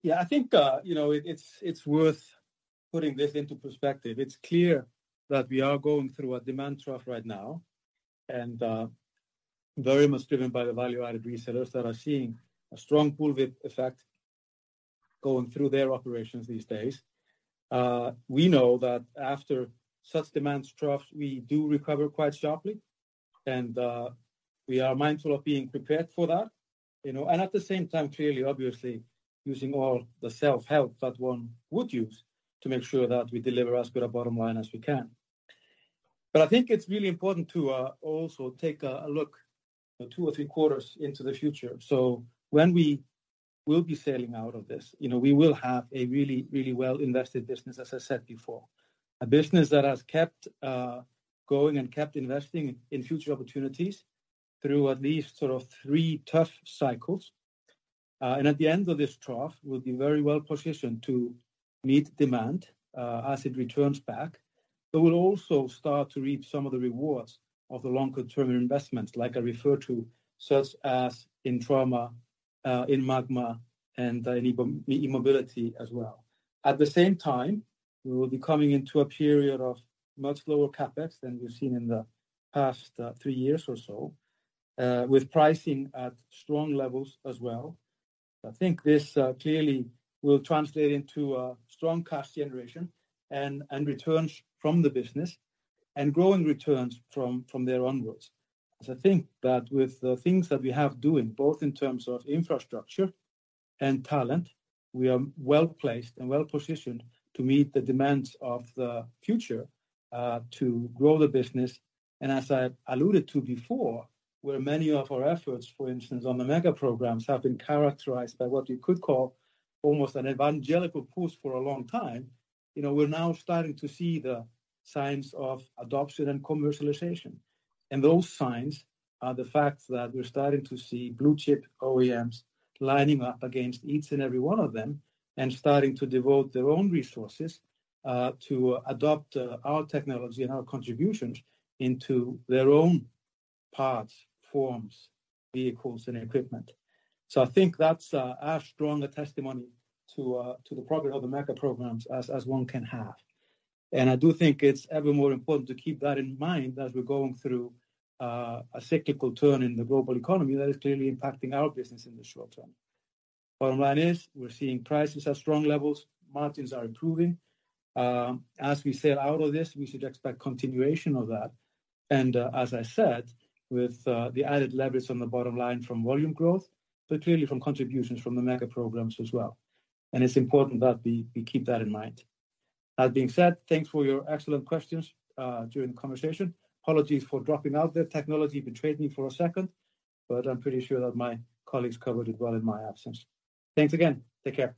Yeah. I think, you know, it's worth putting this into perspective. It's clear that we are going through a demand trough right now, and very much driven by the Value-Added Resellers that are seeing a strong pull with effect going through their operations these days. We know that after such demand troughs, we do recover quite sharply, and we are mindful of being prepared for that, you know. At the same time, clearly, obviously, using all the self-help that one would use to make sure that we deliver as good a bottom line as we can. I think it's really important to also take a look two or three quarters into the future. When we will be sailing out of this, you know, we will have a really well-invested business, as I said before. A business that has kept going and kept investing in future opportunities through at least sort of three tough cycles. At the end of this trough, we'll be very well-positioned to meet demand as it returns back. We'll also start to reap some of the rewards of the longer term investments, like I referred to, such as in trauma, in Magma, and in e-Mobility as well. At the same time, we will be coming into a period of much lower CapEx than we've seen in the past three years or so, with pricing at strong levels as well. I think this clearly will translate into a strong cash generation and returns from the business and growing returns from there onwards. I think that with the things that we have doing, both in terms of infrastructure and talent, we are well-placed and well-positioned to meet the demands of the future, to grow the business. As I alluded to before, where many of our efforts, for instance, on the mega-programmes, have been characterized by what you could call almost an evangelical push for a long time. You know, we're now starting to see the signs of adoption and commercialization. Those signs are the fact that we're starting to see blue-chip OEMs lining up against each and every one of them and starting to devote their own resources, to adopt our technology and our contributions into their own parts, forms, vehicles and equipment. I think that's as strong a testimony to the progress of the mega-programmes as one can have. I do think it's ever more important to keep that in mind as we're going through a cyclical turn in the global economy that is clearly impacting our business in the short term. Bottom line is we're seeing prices at strong levels, margins are improving. As we sail out of this, we should expect continuation of that. As I said, with the added leverage on the bottom line from volume growth, but clearly from contributions from the mega-programmes as well. It's important that we keep that in mind. That being said, thanks for your excellent questions during the conversation. Apologies for dropping out there. Technology betrayed me for a second, but I'm pretty sure that my colleagues covered it well in my absence. Thanks again. Take care.